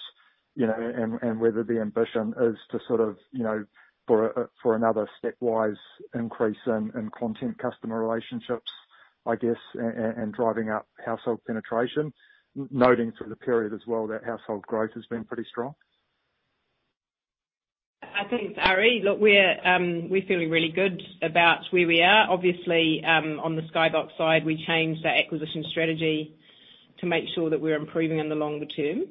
Speaker 4: you know, and whether the ambition is to sort of, you know, for another stepwise increase in content customer relationships, I guess, and driving up household penetration. Noting for the period as well that household growth has been pretty strong.
Speaker 2: I think, Arie, look, we're feeling really good about where we are. Obviously, on the Sky Box side, we changed our acquisition strategy to make sure that we're improving in the longer term.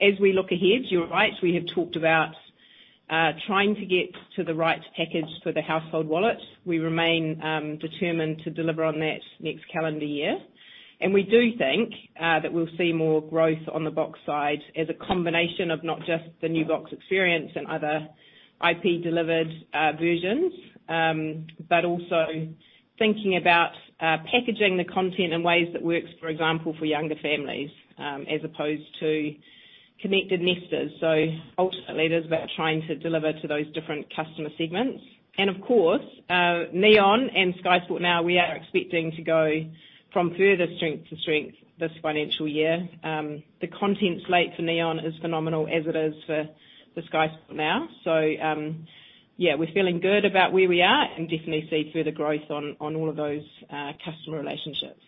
Speaker 2: As we look ahead, you're right, we have talked about trying to get to the right package for the household wallet. We remain determined to deliver on that next calendar year. We do think that we'll see more growth on the box side as a combination of not just the new box experience and other IP delivered versions, but also thinking about packaging the content in ways that works, for example, for younger families, as opposed to empty nesters. Ultimately, it is about trying to deliver to those different customer segments. Of course, Neon and Sky Sport Now, we are expecting to go from further strength to strength this financial year. The content slate for Neon is phenomenal as it is for Sky Sport Now. Yeah, we're feeling good about where we are and definitely see further growth on all of those customer relationships.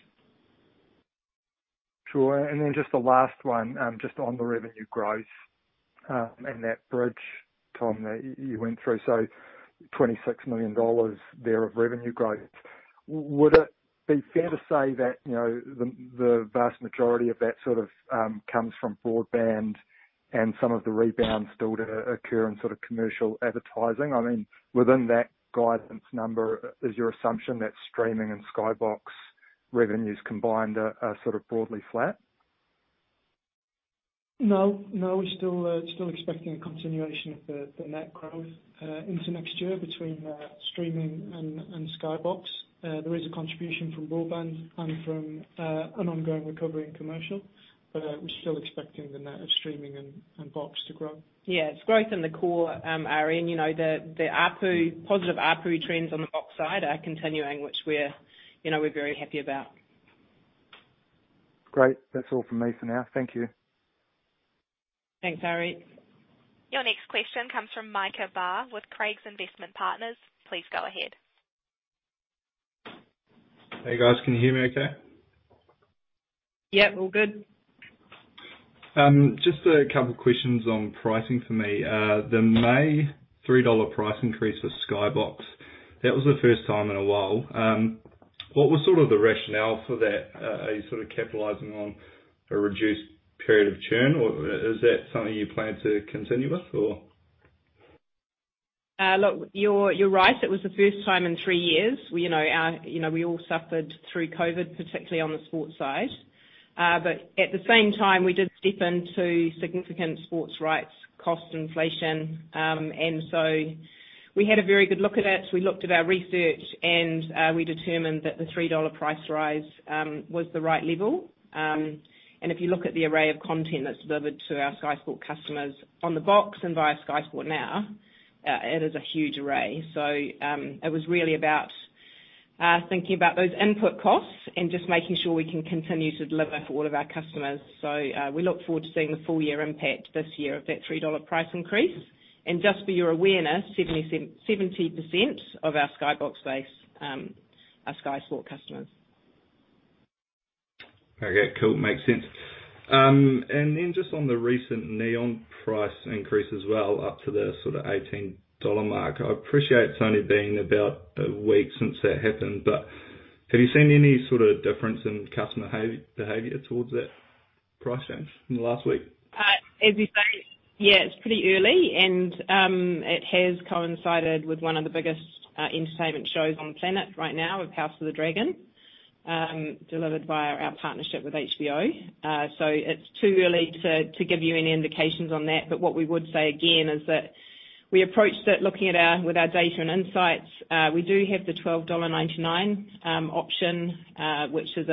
Speaker 4: Sure. Then just the last one, just on the revenue growth, and that bridge, Tom, that you went through, so 26 million dollars there of revenue growth. Would it be fair to say that, you know, the vast majority of that sort of comes from broadband and some of the rebounds still to occur in sort of commercial advertising? I mean, within that guidance number, is your assumption that streaming and Sky Box revenues combined are sort of broadly flat?
Speaker 3: No, we're still expecting a continuation of the net growth into next year between streaming and Sky Box. There is a contribution from broadband and from an ongoing recovery in commercial, but we're still expecting the net of streaming and Box to grow.
Speaker 2: Yeah. It's growth in the core, Arie, and you know, the ARPU, positive ARPU trends on the box side are continuing, which we're you know very happy about.
Speaker 4: Great. That's all from me for now. Thank you.
Speaker 2: Thanks, Ari.
Speaker 1: Your next question comes from Micah Barr with Craigs Investment Partners. Please go ahead.
Speaker 5: Hey, guys. Can you hear me okay?
Speaker 2: Yep, all good.
Speaker 5: Just a couple questions on pricing for me. The May 3 dollar price increase for Sky Box, that was the first time in a while. What was sort of the rationale for that? Are you sort of capitalizing on a reduced period of churn, or is that something you plan to continue with or?
Speaker 2: Look, you're right, it was the first time in three years. You know, we all suffered through COVID, particularly on the sports side. At the same time, we did step into significant sports rights cost inflation. We had a very good look at it. We looked at our research and we determined that the 3 dollar price rise was the right level. If you look at the array of content that's delivered to our Sky Sport customers on the box and via Sky Sport Now, it is a huge array. It was really about thinking about those input costs and just making sure we can continue to deliver for all of our customers. We look forward to seeing the full year impact this year of that 3 dollar price increase. Just for your awareness, 70% of our Sky Box base are Sky Sport customers.
Speaker 5: Okay, cool. Makes sense. Just on the recent Neon price increase as well, up to the sort of 18 dollar mark. I appreciate it's only been about a week since that happened, but have you seen any sort of difference in customer behavior towards that price change in the last week?
Speaker 2: As you say, yeah, it's pretty early and it has coincided with one of the biggest entertainment shows on the planet right now with House of the Dragon delivered via our partnership with HBO. It's too early to give you any indications on that. But what we would say again is that we approached it with our data and insights. We do have the 12.99 dollar option, which is.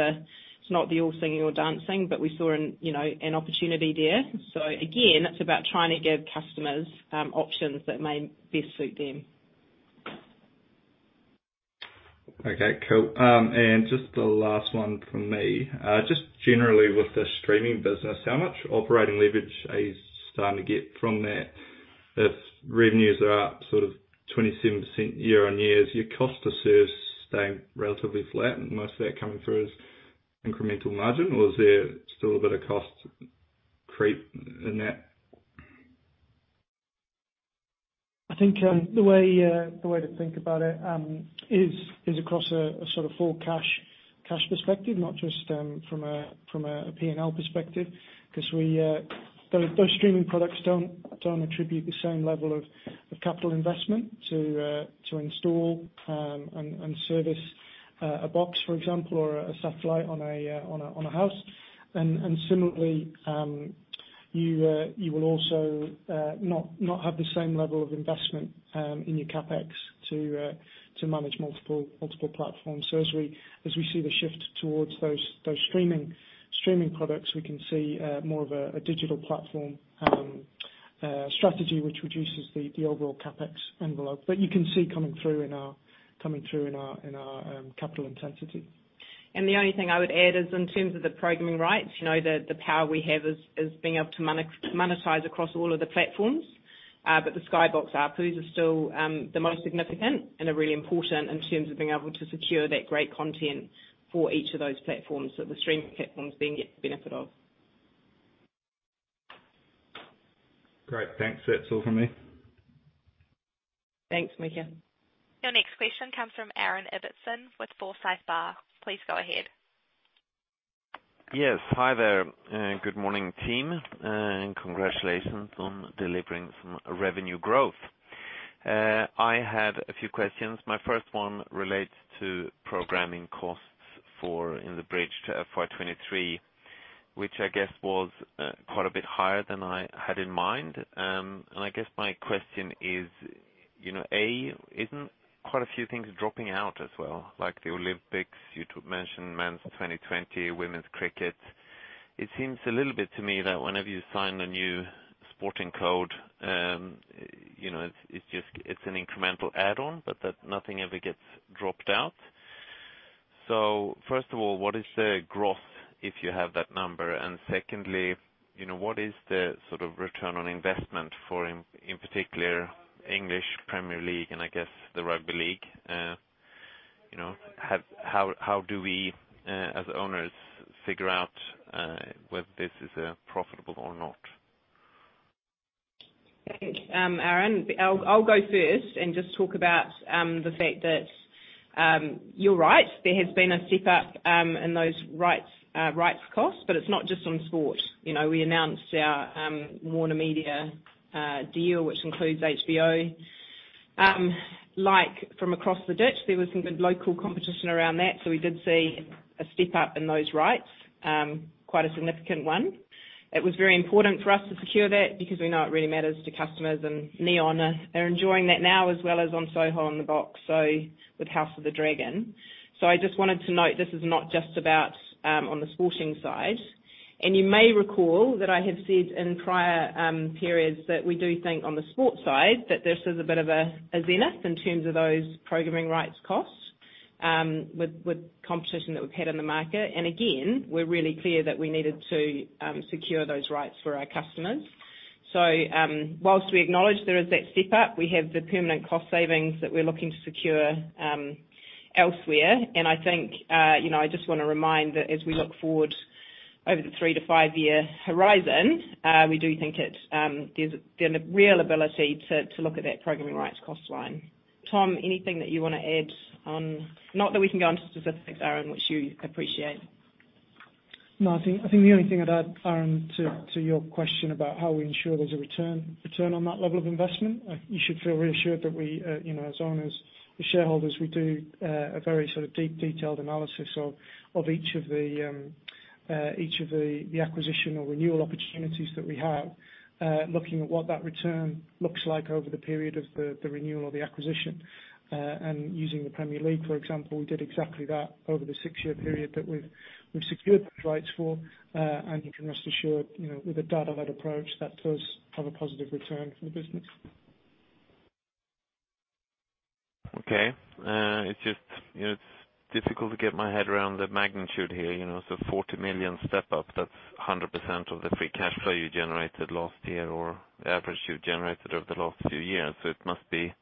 Speaker 2: It's not the all singing or dancing, but we saw you know, an opportunity there. Again, it's about trying to give customers options that may best suit them.
Speaker 5: Okay, cool. Just the last one from me. Just generally with the streaming business, how much operating leverage are you starting to get from that? If revenues are up sort of 27% year-on-year, is your cost to serve staying relatively flat? Most of that coming through as incremental margin? Or is there still a bit of cost creep in that?
Speaker 3: I think the way to think about it is across a sort of full cash perspective, not just from a P&L perspective. 'Cause those streaming products don't attribute the same level of capital investment to install and service a box, for example, or a satellite on a house. Similarly, you will also not have the same level of investment in your CapEx to manage multiple platforms. As we see the shift towards those streaming products, we can see more of a digital platform strategy which reduces the overall CapEx envelope. You can see coming through in our capital intensity.
Speaker 2: The only thing I would add is in terms of the programming rights, you know, the power we have is being able to monetize across all of the platforms. But the Sky Box ARPU is still the most significant and are really important in terms of being able to secure that great content for each of those platforms that the streaming platforms then get the benefit of.
Speaker 5: Great. Thanks. That's all from me.
Speaker 2: Thanks, Michael.
Speaker 1: Your next question comes from Aaron Ibbotson with Forsyth Barr. Please go ahead.
Speaker 6: Yes. Hi there. Good morning team, and congratulations on delivering some revenue growth. I have a few questions. My first one relates to programming costs in the bridge to FY23, which I guess was quite a bit higher than I had in mind. I guess my question is, you know, A, isn't quite a few things dropping out as well, like the Olympics? You mentioned Men's 2020, Women's Cricket. It seems a little bit to me that whenever you sign a new sporting code, you know, it's just an incremental add-on, but that nothing ever gets dropped out. First of all, what is the growth if you have that number? And secondly, you know, what is the sort of return on investment for, in particular English Premier League and I guess the rugby league? You know, how do we, as owners, figure out whether this is profitable or not?
Speaker 2: Okay. Aaron, I'll go first and just talk about the fact that you're right, there has been a step up in those rights costs, but it's not just on sport. You know, we announced our WarnerMedia deal, which includes HBO. Like from across the ditch, there was some good local competition around that. We did see a step up in those rights, quite a significant one. It was very important for us to secure that because we know it really matters to customers, and Neon are enjoying that now as well as on SoHo and the Box, so with House of the Dragon. I just wanted to note this is not just about on the sporting side. You may recall that I have said in prior periods that we do think on the sports side that this is a bit of a zenith in terms of those programming rights costs with competition that we've had in the market. Again, we're really clear that we needed to secure those rights for our customers. Whilst we acknowledge there is that step up, we have the permanent cost savings that we're looking to secure elsewhere. I think you know I just wanna remind that as we look forward over the three- to five-year horizon we do think there's the real ability to look at that programming rights cost line. Tom, anything that you wanna add on. Not that we can go into specifics, Aaron, which you appreciate.
Speaker 3: No, I think the only thing I'd add, Aaron, to your question about how we ensure there's a return on that level of investment, you should feel reassured that we, you know, as owners, as shareholders, we do a very sort of deep, detailed analysis of each of the acquisition or renewal opportunities that we have, looking at what that return looks like over the period of the renewal or the acquisition. Using the Premier League, for example, we did exactly that over the six-year period that we've secured those rights for. You can rest assured, you know, with a data-led approach, that does have a positive return for the business.
Speaker 6: Okay. It's just, you know, it's difficult to get my head around the magnitude here, you know. 40 million step up, that's 100% of the free cash flow you generated last year or the average you've generated over the last few years. It must be,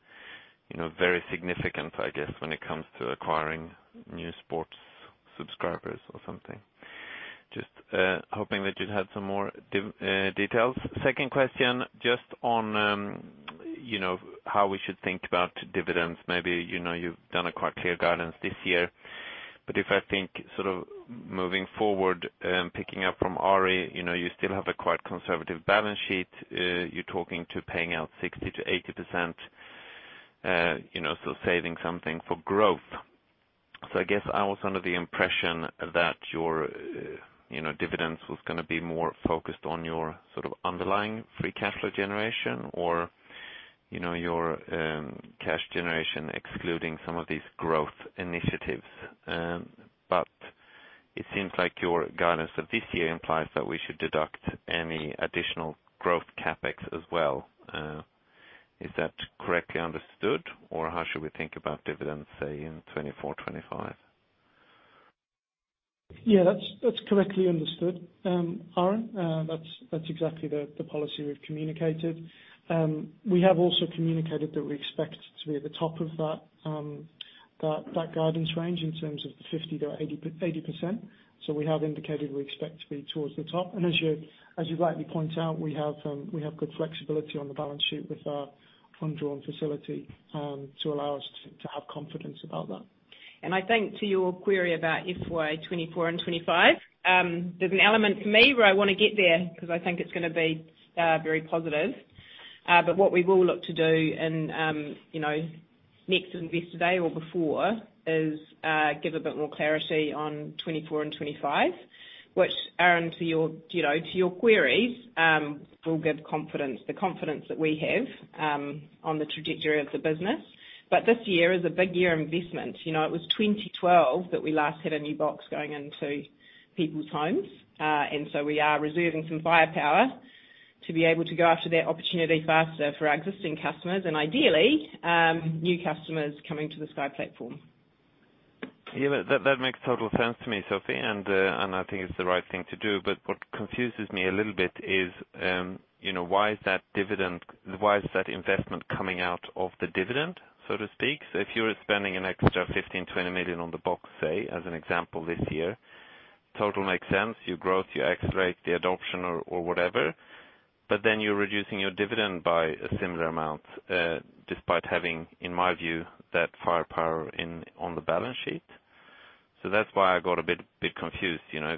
Speaker 6: you know, very significant, I guess, when it comes to acquiring new sports subscribers or something. Just hoping that you'd had some more details. Second question, just on, you know, how we should think about dividends. Maybe, you know, you've done quite clear guidance this year, but if I think sort of moving forward and picking up from Arie, you know, you still have a quite conservative balance sheet. You're talking to paying out 60%-80%, you know, so saving something for growth. I guess I was under the impression that your, you know, dividends was gonna be more focused on your sort of underlying free cash flow generation or, you know, your, cash generation excluding some of these growth initiatives. It seems like your guidance of this year implies that we should deduct any additional growth CapEx as well. Is that correctly understood? Or how should we think about dividends, say, in 2024, 2025?
Speaker 3: Yeah. That's correctly understood, Aaron. That's exactly the policy we've communicated. We have also communicated that we expect to be at the top of that guidance range in terms of the 50%-80%. We have indicated we expect to be towards the top. As you rightly point out, we have good flexibility on the balance sheet with our undrawn facility to allow us to have confidence about that.
Speaker 2: I think to your query about FY 2024 and 2025, there's an element for me where I wanna get there 'cause I think it's gonna be very positive. But what we will look to do and, you know, next Investor Day or before is give a bit more clarity on 2024 and 2025, which, Aaron, to your, you know, to your queries, will give confidence. The confidence that we have on the trajectory of the business. But this year is a big year investment. You know, it was 2012 that we last had a new box going into people's homes. And so we are reserving some firepower to be able to go after that opportunity faster for our existing customers and ideally, new customers coming to the Sky platform.
Speaker 6: Yeah. That makes total sense to me, Sophie. I think it's the right thing to do. What confuses me a little bit is, you know, why is that dividend, why is that investment coming out of the dividend, so to speak? If you're spending an extra 15 million-20 million on the box, say as an example, this year, total makes sense. You grow, you accelerate the adoption or whatever, but then you're reducing your dividend by a similar amount, despite having, in my view, that firepower in on the balance sheet. That's why I got a bit confused, you know.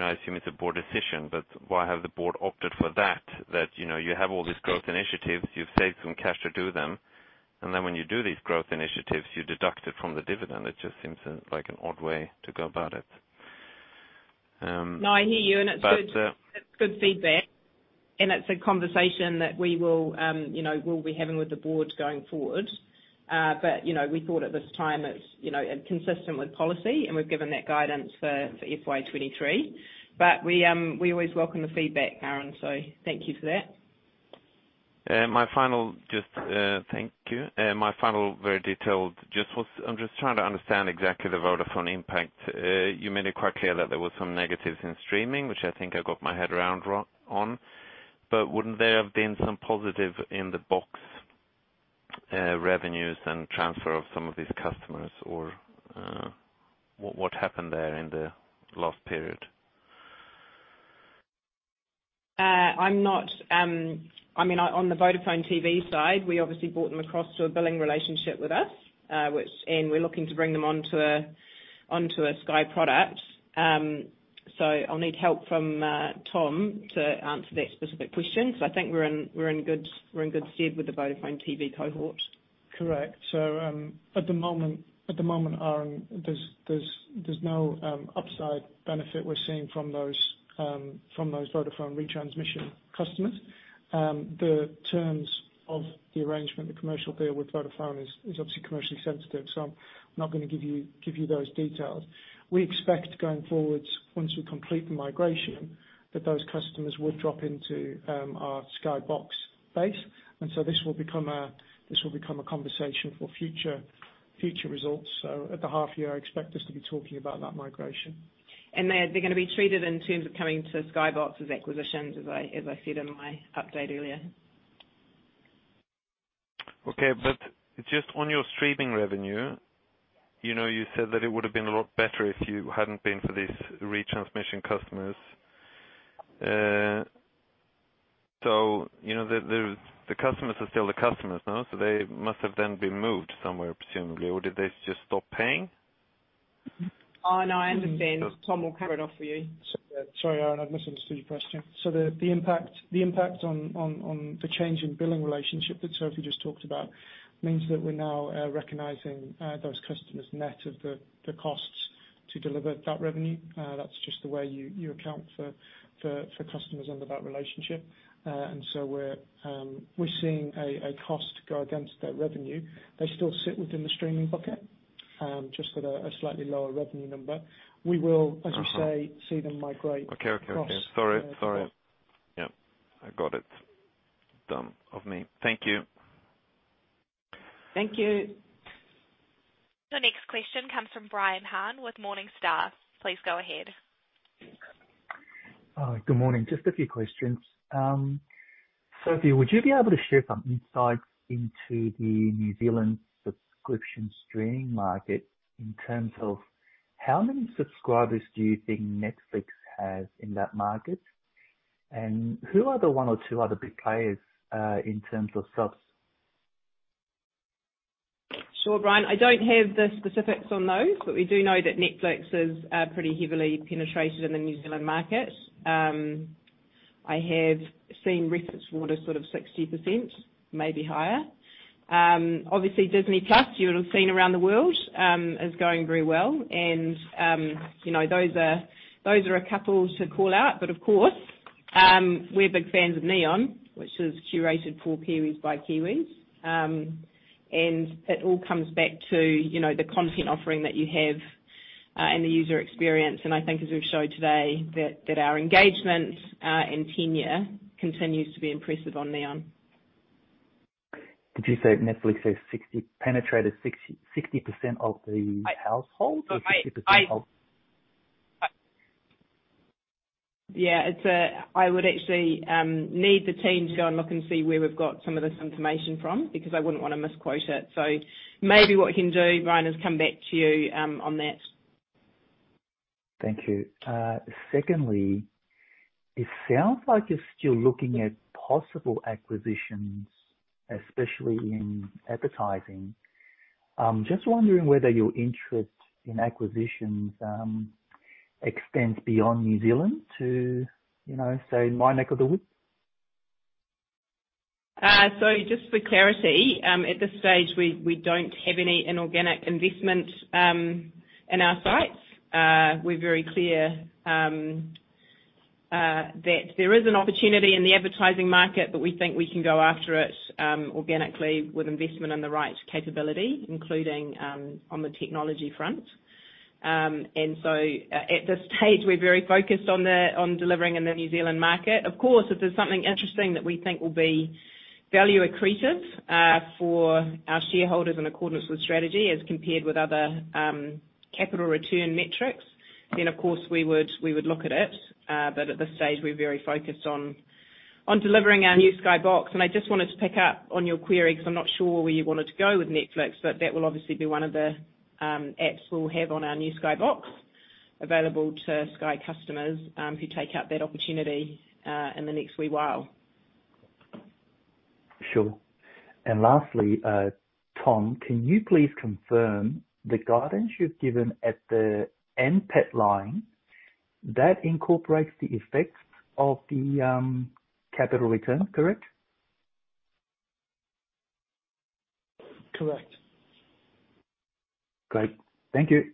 Speaker 6: I assume it's a board decision, but why have the board opted for that? That, you know, you have all these growth initiatives, you've saved some cash to do them, and then when you do these growth initiatives, you deduct it from the dividend. It just seems like an odd way to go about it.
Speaker 2: No, I hear you, and it's good feedback, and it's a conversation that we will, you know, be having with the board going forward. We thought at this time it's, you know, consistent with policy, and we've given that guidance for FY 2023. We always welcome the feedback, Aaron, so thank you for that.
Speaker 6: Thank you. My final very detailed question was I'm just trying to understand exactly the Vodafone impact. You made it quite clear that there was some negatives in streaming, which I think I got my head around, but wouldn't there have been some positive in the box revenues and transfer of some of these customers? Or what happened there in the last period?
Speaker 2: On the Vodafone TV side, we obviously brought them across to a billing relationship with us, which we're looking to bring them onto a Sky product. I'll need help from Tom to answer that specific question. I think we're in good stead with the Vodafone TV cohort.
Speaker 3: Correct. At the moment, Aaron, there's no upside benefit we're seeing from those Vodafone retransmission customers. The terms of the arrangement, the commercial deal with Vodafone is obviously commercially sensitive, so I'm not gonna give you those details. We expect going forward, once we complete the migration, that those customers will drop into our Sky Box base. This will become a conversation for future results. At the half year, I expect us to be talking about that migration.
Speaker 2: They're gonna be treated in terms of coming to Sky Box as acquisitions, as I said in my update earlier.
Speaker 6: Okay. Just on your streaming revenue, you know, you said that it would've been a lot better if it hadn't been for these retransmission customers. You know, the customers are still the customers, no? They must have then been moved somewhere, presumably, or did they just stop paying?
Speaker 2: Oh, no, I understand. Tom will cover it off for you.
Speaker 3: Sorry, Aaron, I misunderstood your question. The impact on the change in billing relationship that Sophie just talked about means that we're now recognizing those customers net of the costs to deliver that revenue. That's just the way you account for customers under that relationship. We're seeing a cost go against that revenue. They still sit within the streaming bucket, just at a slightly lower revenue number. We will-
Speaker 6: Uh-huh.
Speaker 3: As you say, see them migrate across.
Speaker 6: Okay. Sorry. Yep. I got it. Dumb of me. Thank you.
Speaker 2: Thank you.
Speaker 1: The next question comes from Brian Han with Morningstar. Please go ahead.
Speaker 7: Good morning. Just a few questions. Sophie, would you be able to share some insights into the New Zealand subscription streaming market in terms of how many subscribers do you think Netflix has in that market? Who are the one or two other big players, in terms of subs?
Speaker 2: Sure, Brian. I don't have the specifics on those, but we do know that Netflix is pretty heavily penetrated in the New Zealand market. I have seen references toward a sort of 60%, maybe higher. Obviously Disney+, you'll have seen around the world, is going very well. You know, those are a couple to call out. Of course, we're big fans of Neon, which is curated for Kiwis by Kiwis. It all comes back to, you know, the content offering that you have and the user experience. I think as we've showed today, that our engagement and tenure continues to be impressive on Neon.
Speaker 7: Did you say Netflix has penetrated 60% of the households or 60% of-
Speaker 2: Yeah. It's, I would actually need the team to go and look and see where we've got some of this information from, because I wouldn't wanna misquote it. Maybe what we can do, Brian, is come back to you on that.
Speaker 7: Thank you. Secondly, it sounds like you're still looking at possible acquisitions, especially in advertising. Just wondering whether your interest in acquisitions extends beyond New Zealand to, you know, say, my neck of the woods?
Speaker 2: Just for clarity, at this stage, we don't have any inorganic investment in our sights. We're very clear that there is an opportunity in the advertising market, but we think we can go after it organically with investment in the right capability, including on the technology front. At this stage, we're very focused on delivering in the New Zealand market. Of course, if there's something interesting that we think will be value accretive for our shareholders in accordance with strategy as compared with other capital return metrics, then of course, we would look at it. At this stage, we're very focused on delivering our new Sky Box. I just wanted to pick up on your query, 'cause I'm not sure where you wanted to go with Netflix, but that will obviously be one of the apps we'll have on our new Sky Box available to Sky customers who take up that opportunity in the next wee while.
Speaker 7: Sure. Lastly, Tom, can you please confirm the guidance you've given at the NPAT line, that incorporates the effects of the capital return, correct?
Speaker 3: Correct.
Speaker 7: Great. Thank you.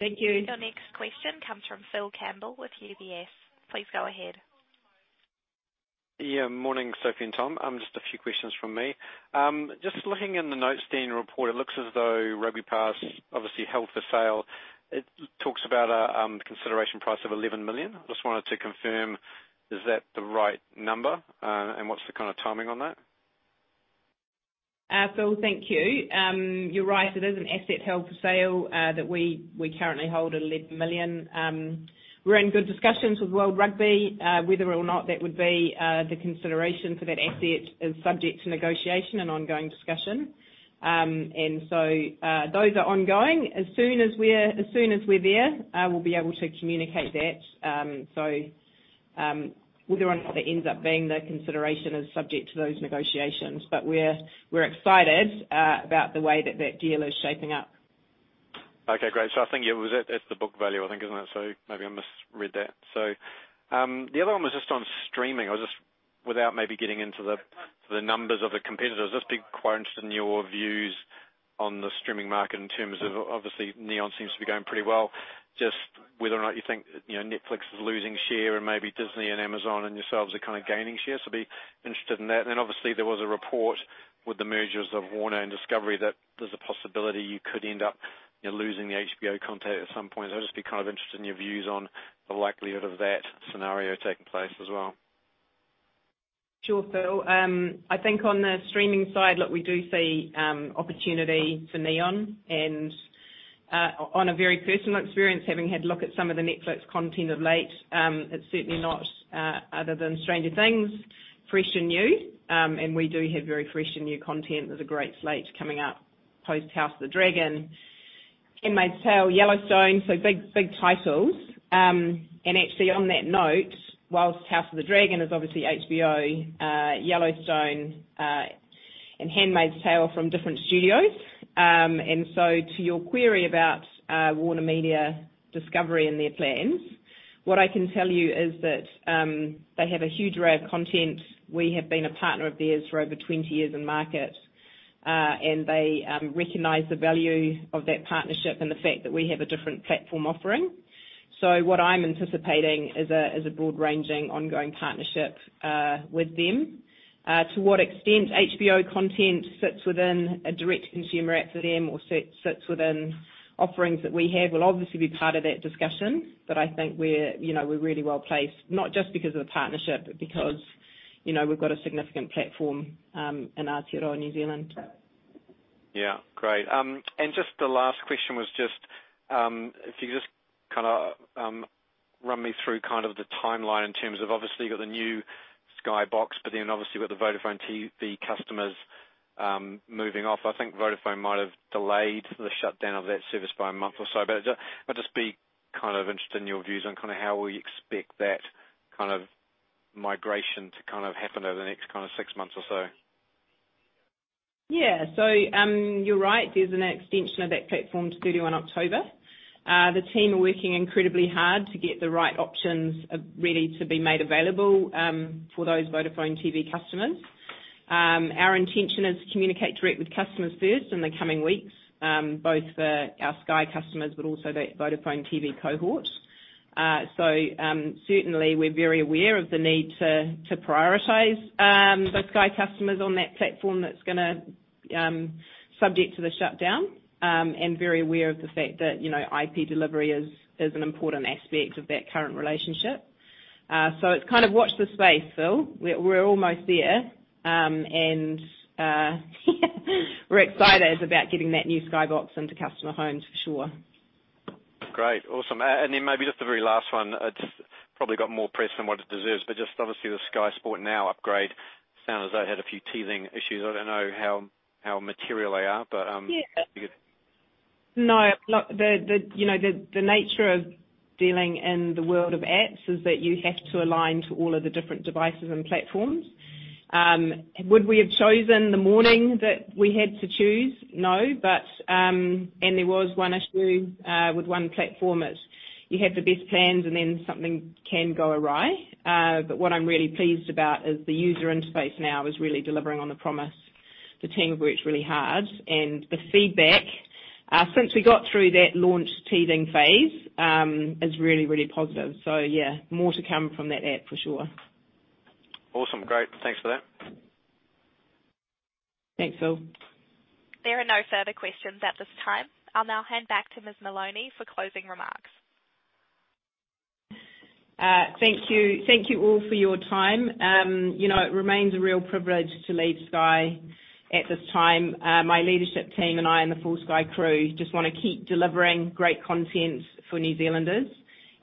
Speaker 2: Thank you.
Speaker 1: Your next question comes from Phil Campbell with UBS. Please go ahead.
Speaker 8: Yeah. Morning, Sophie and Tom. Just a few questions from me. Just looking in the notes in your report, it looks as though RugbyPass obviously held for sale. It talks about consideration price of 11 million. Just wanted to confirm, is that the right number? What's the kind of timing on that?
Speaker 2: Phil, thank you. You're right. It is an asset held for sale that we currently hold at 11 million. We're in good discussions with World Rugby. Whether or not that would be the consideration for that asset is subject to negotiation and ongoing discussion. Those are ongoing. As soon as we're there, we'll be able to communicate that. Whether or not that ends up being the consideration is subject to those negotiations. We're excited about the way that deal is shaping up.
Speaker 8: Okay, great. I think, yeah, it was that. That's the book value, I think, isn't it? Maybe I misread that. The other one was just on streaming without maybe getting into the numbers of the competitors, I'd just be quite interested in your views on the streaming market in terms of, obviously, Neon seems to be going pretty well, just whether or not you think, you know, Netflix is losing share and maybe Disney and Amazon and yourselves are kind of gaining share. Be interested in that. Obviously, there was a report with the mergers of Warner and Discovery that there's a possibility you could end up, you know, losing the HBO content at some point. I'd just be kind of interested in your views on the likelihood of that scenario taking place as well.
Speaker 2: Sure, Phil. I think on the streaming side, look, we do see opportunity for Neon. On a very personal experience, having had a look at some of the Netflix content of late, it's certainly not other than Stranger Things, fresh and new. We do have very fresh and new content. There's a great slate coming up post House of the Dragon. Handmaid's Tale, Yellowstone, so big, big titles. Actually on that note, whilst House of the Dragon is obviously HBO, Yellowstone and Handmaid's Tale from different studios. To your query about Warner Bros. Discovery and their plans, what I can tell you is that they have a huge array of content. We have been a partner of theirs for over 20 years in market, and they recognize the value of that partnership and the fact that we have a different platform offering. What I'm anticipating is a broad-ranging ongoing partnership with them. To what extent HBO content sits within a direct consumer app for them or sits within offerings that we have will obviously be part of that discussion. I think we're, you know, really well-placed, not just because of the partnership, but because, you know, we've got a significant platform in Aotearoa, New Zealand.
Speaker 8: Yeah. Great. Just the last question was just, if you could just kinda run me through kind of the timeline in terms of obviously you've got the new Sky Box, but then obviously with the Vodafone TV customers moving off. I think Vodafone might have delayed the shutdown of that service by a month or so. I'd just be kind of interested in your views on kinda how we expect that kind of migration to kind of happen over the next kinda six months or so.
Speaker 2: You're right. There's an extension of that platform to thirty-one October. The team are working incredibly hard to get the right options really to be made available for those Vodafone TV customers. Our intention is to communicate directly with customers first in the coming weeks, both for our Sky customers, but also that Vodafone TV cohort. Certainly we're very aware of the need to prioritize the Sky customers on that platform that's going to be subject to the shutdown, and very aware of the fact that, you know, IP delivery is an important aspect of that current relationship. It's kind of watch this space, Phil. We're almost there, and we're excited about getting that new Sky Box into customer homes for sure.
Speaker 8: Great. Awesome. Then maybe just the very last one. It's probably got more press than what it deserves, but just obviously the Sky Sport Now upgrade. It sounds as though it had a few teething issues. I don't know how material they are, but.
Speaker 2: Yeah.
Speaker 8: If you could.
Speaker 2: No. Look, you know, the nature of dealing in the world of apps is that you have to align to all of the different devices and platforms. Would we have chosen the morning that we had to choose? No. There was one issue with one platform that you have the best plans and then something can go awry. What I'm really pleased about is the user interface now is really delivering on the promise. The team have worked really hard, and the feedback since we got through that launch teething phase is really, really positive. Yeah, more to come from that app for sure.
Speaker 8: Awesome. Great. Thanks for that.
Speaker 2: Thanks, Phil.
Speaker 1: There are no further questions at this time. I'll now hand back to Ms. Maloney for closing remarks.
Speaker 2: Thank you. Thank you all for your time. You know, it remains a real privilege to lead Sky at this time. My leadership team and I, and the full Sky crew just wanna keep delivering great content for New Zealanders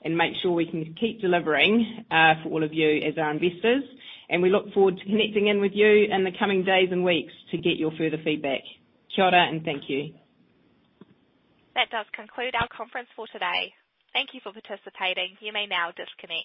Speaker 2: and make sure we can keep delivering, for all of you as our investors. We look forward to connecting in with you in the coming days and weeks to get your further feedback. Kia ora and thank you.
Speaker 1: That does conclude our conference for today. Thank you for participating. You may now disconnect.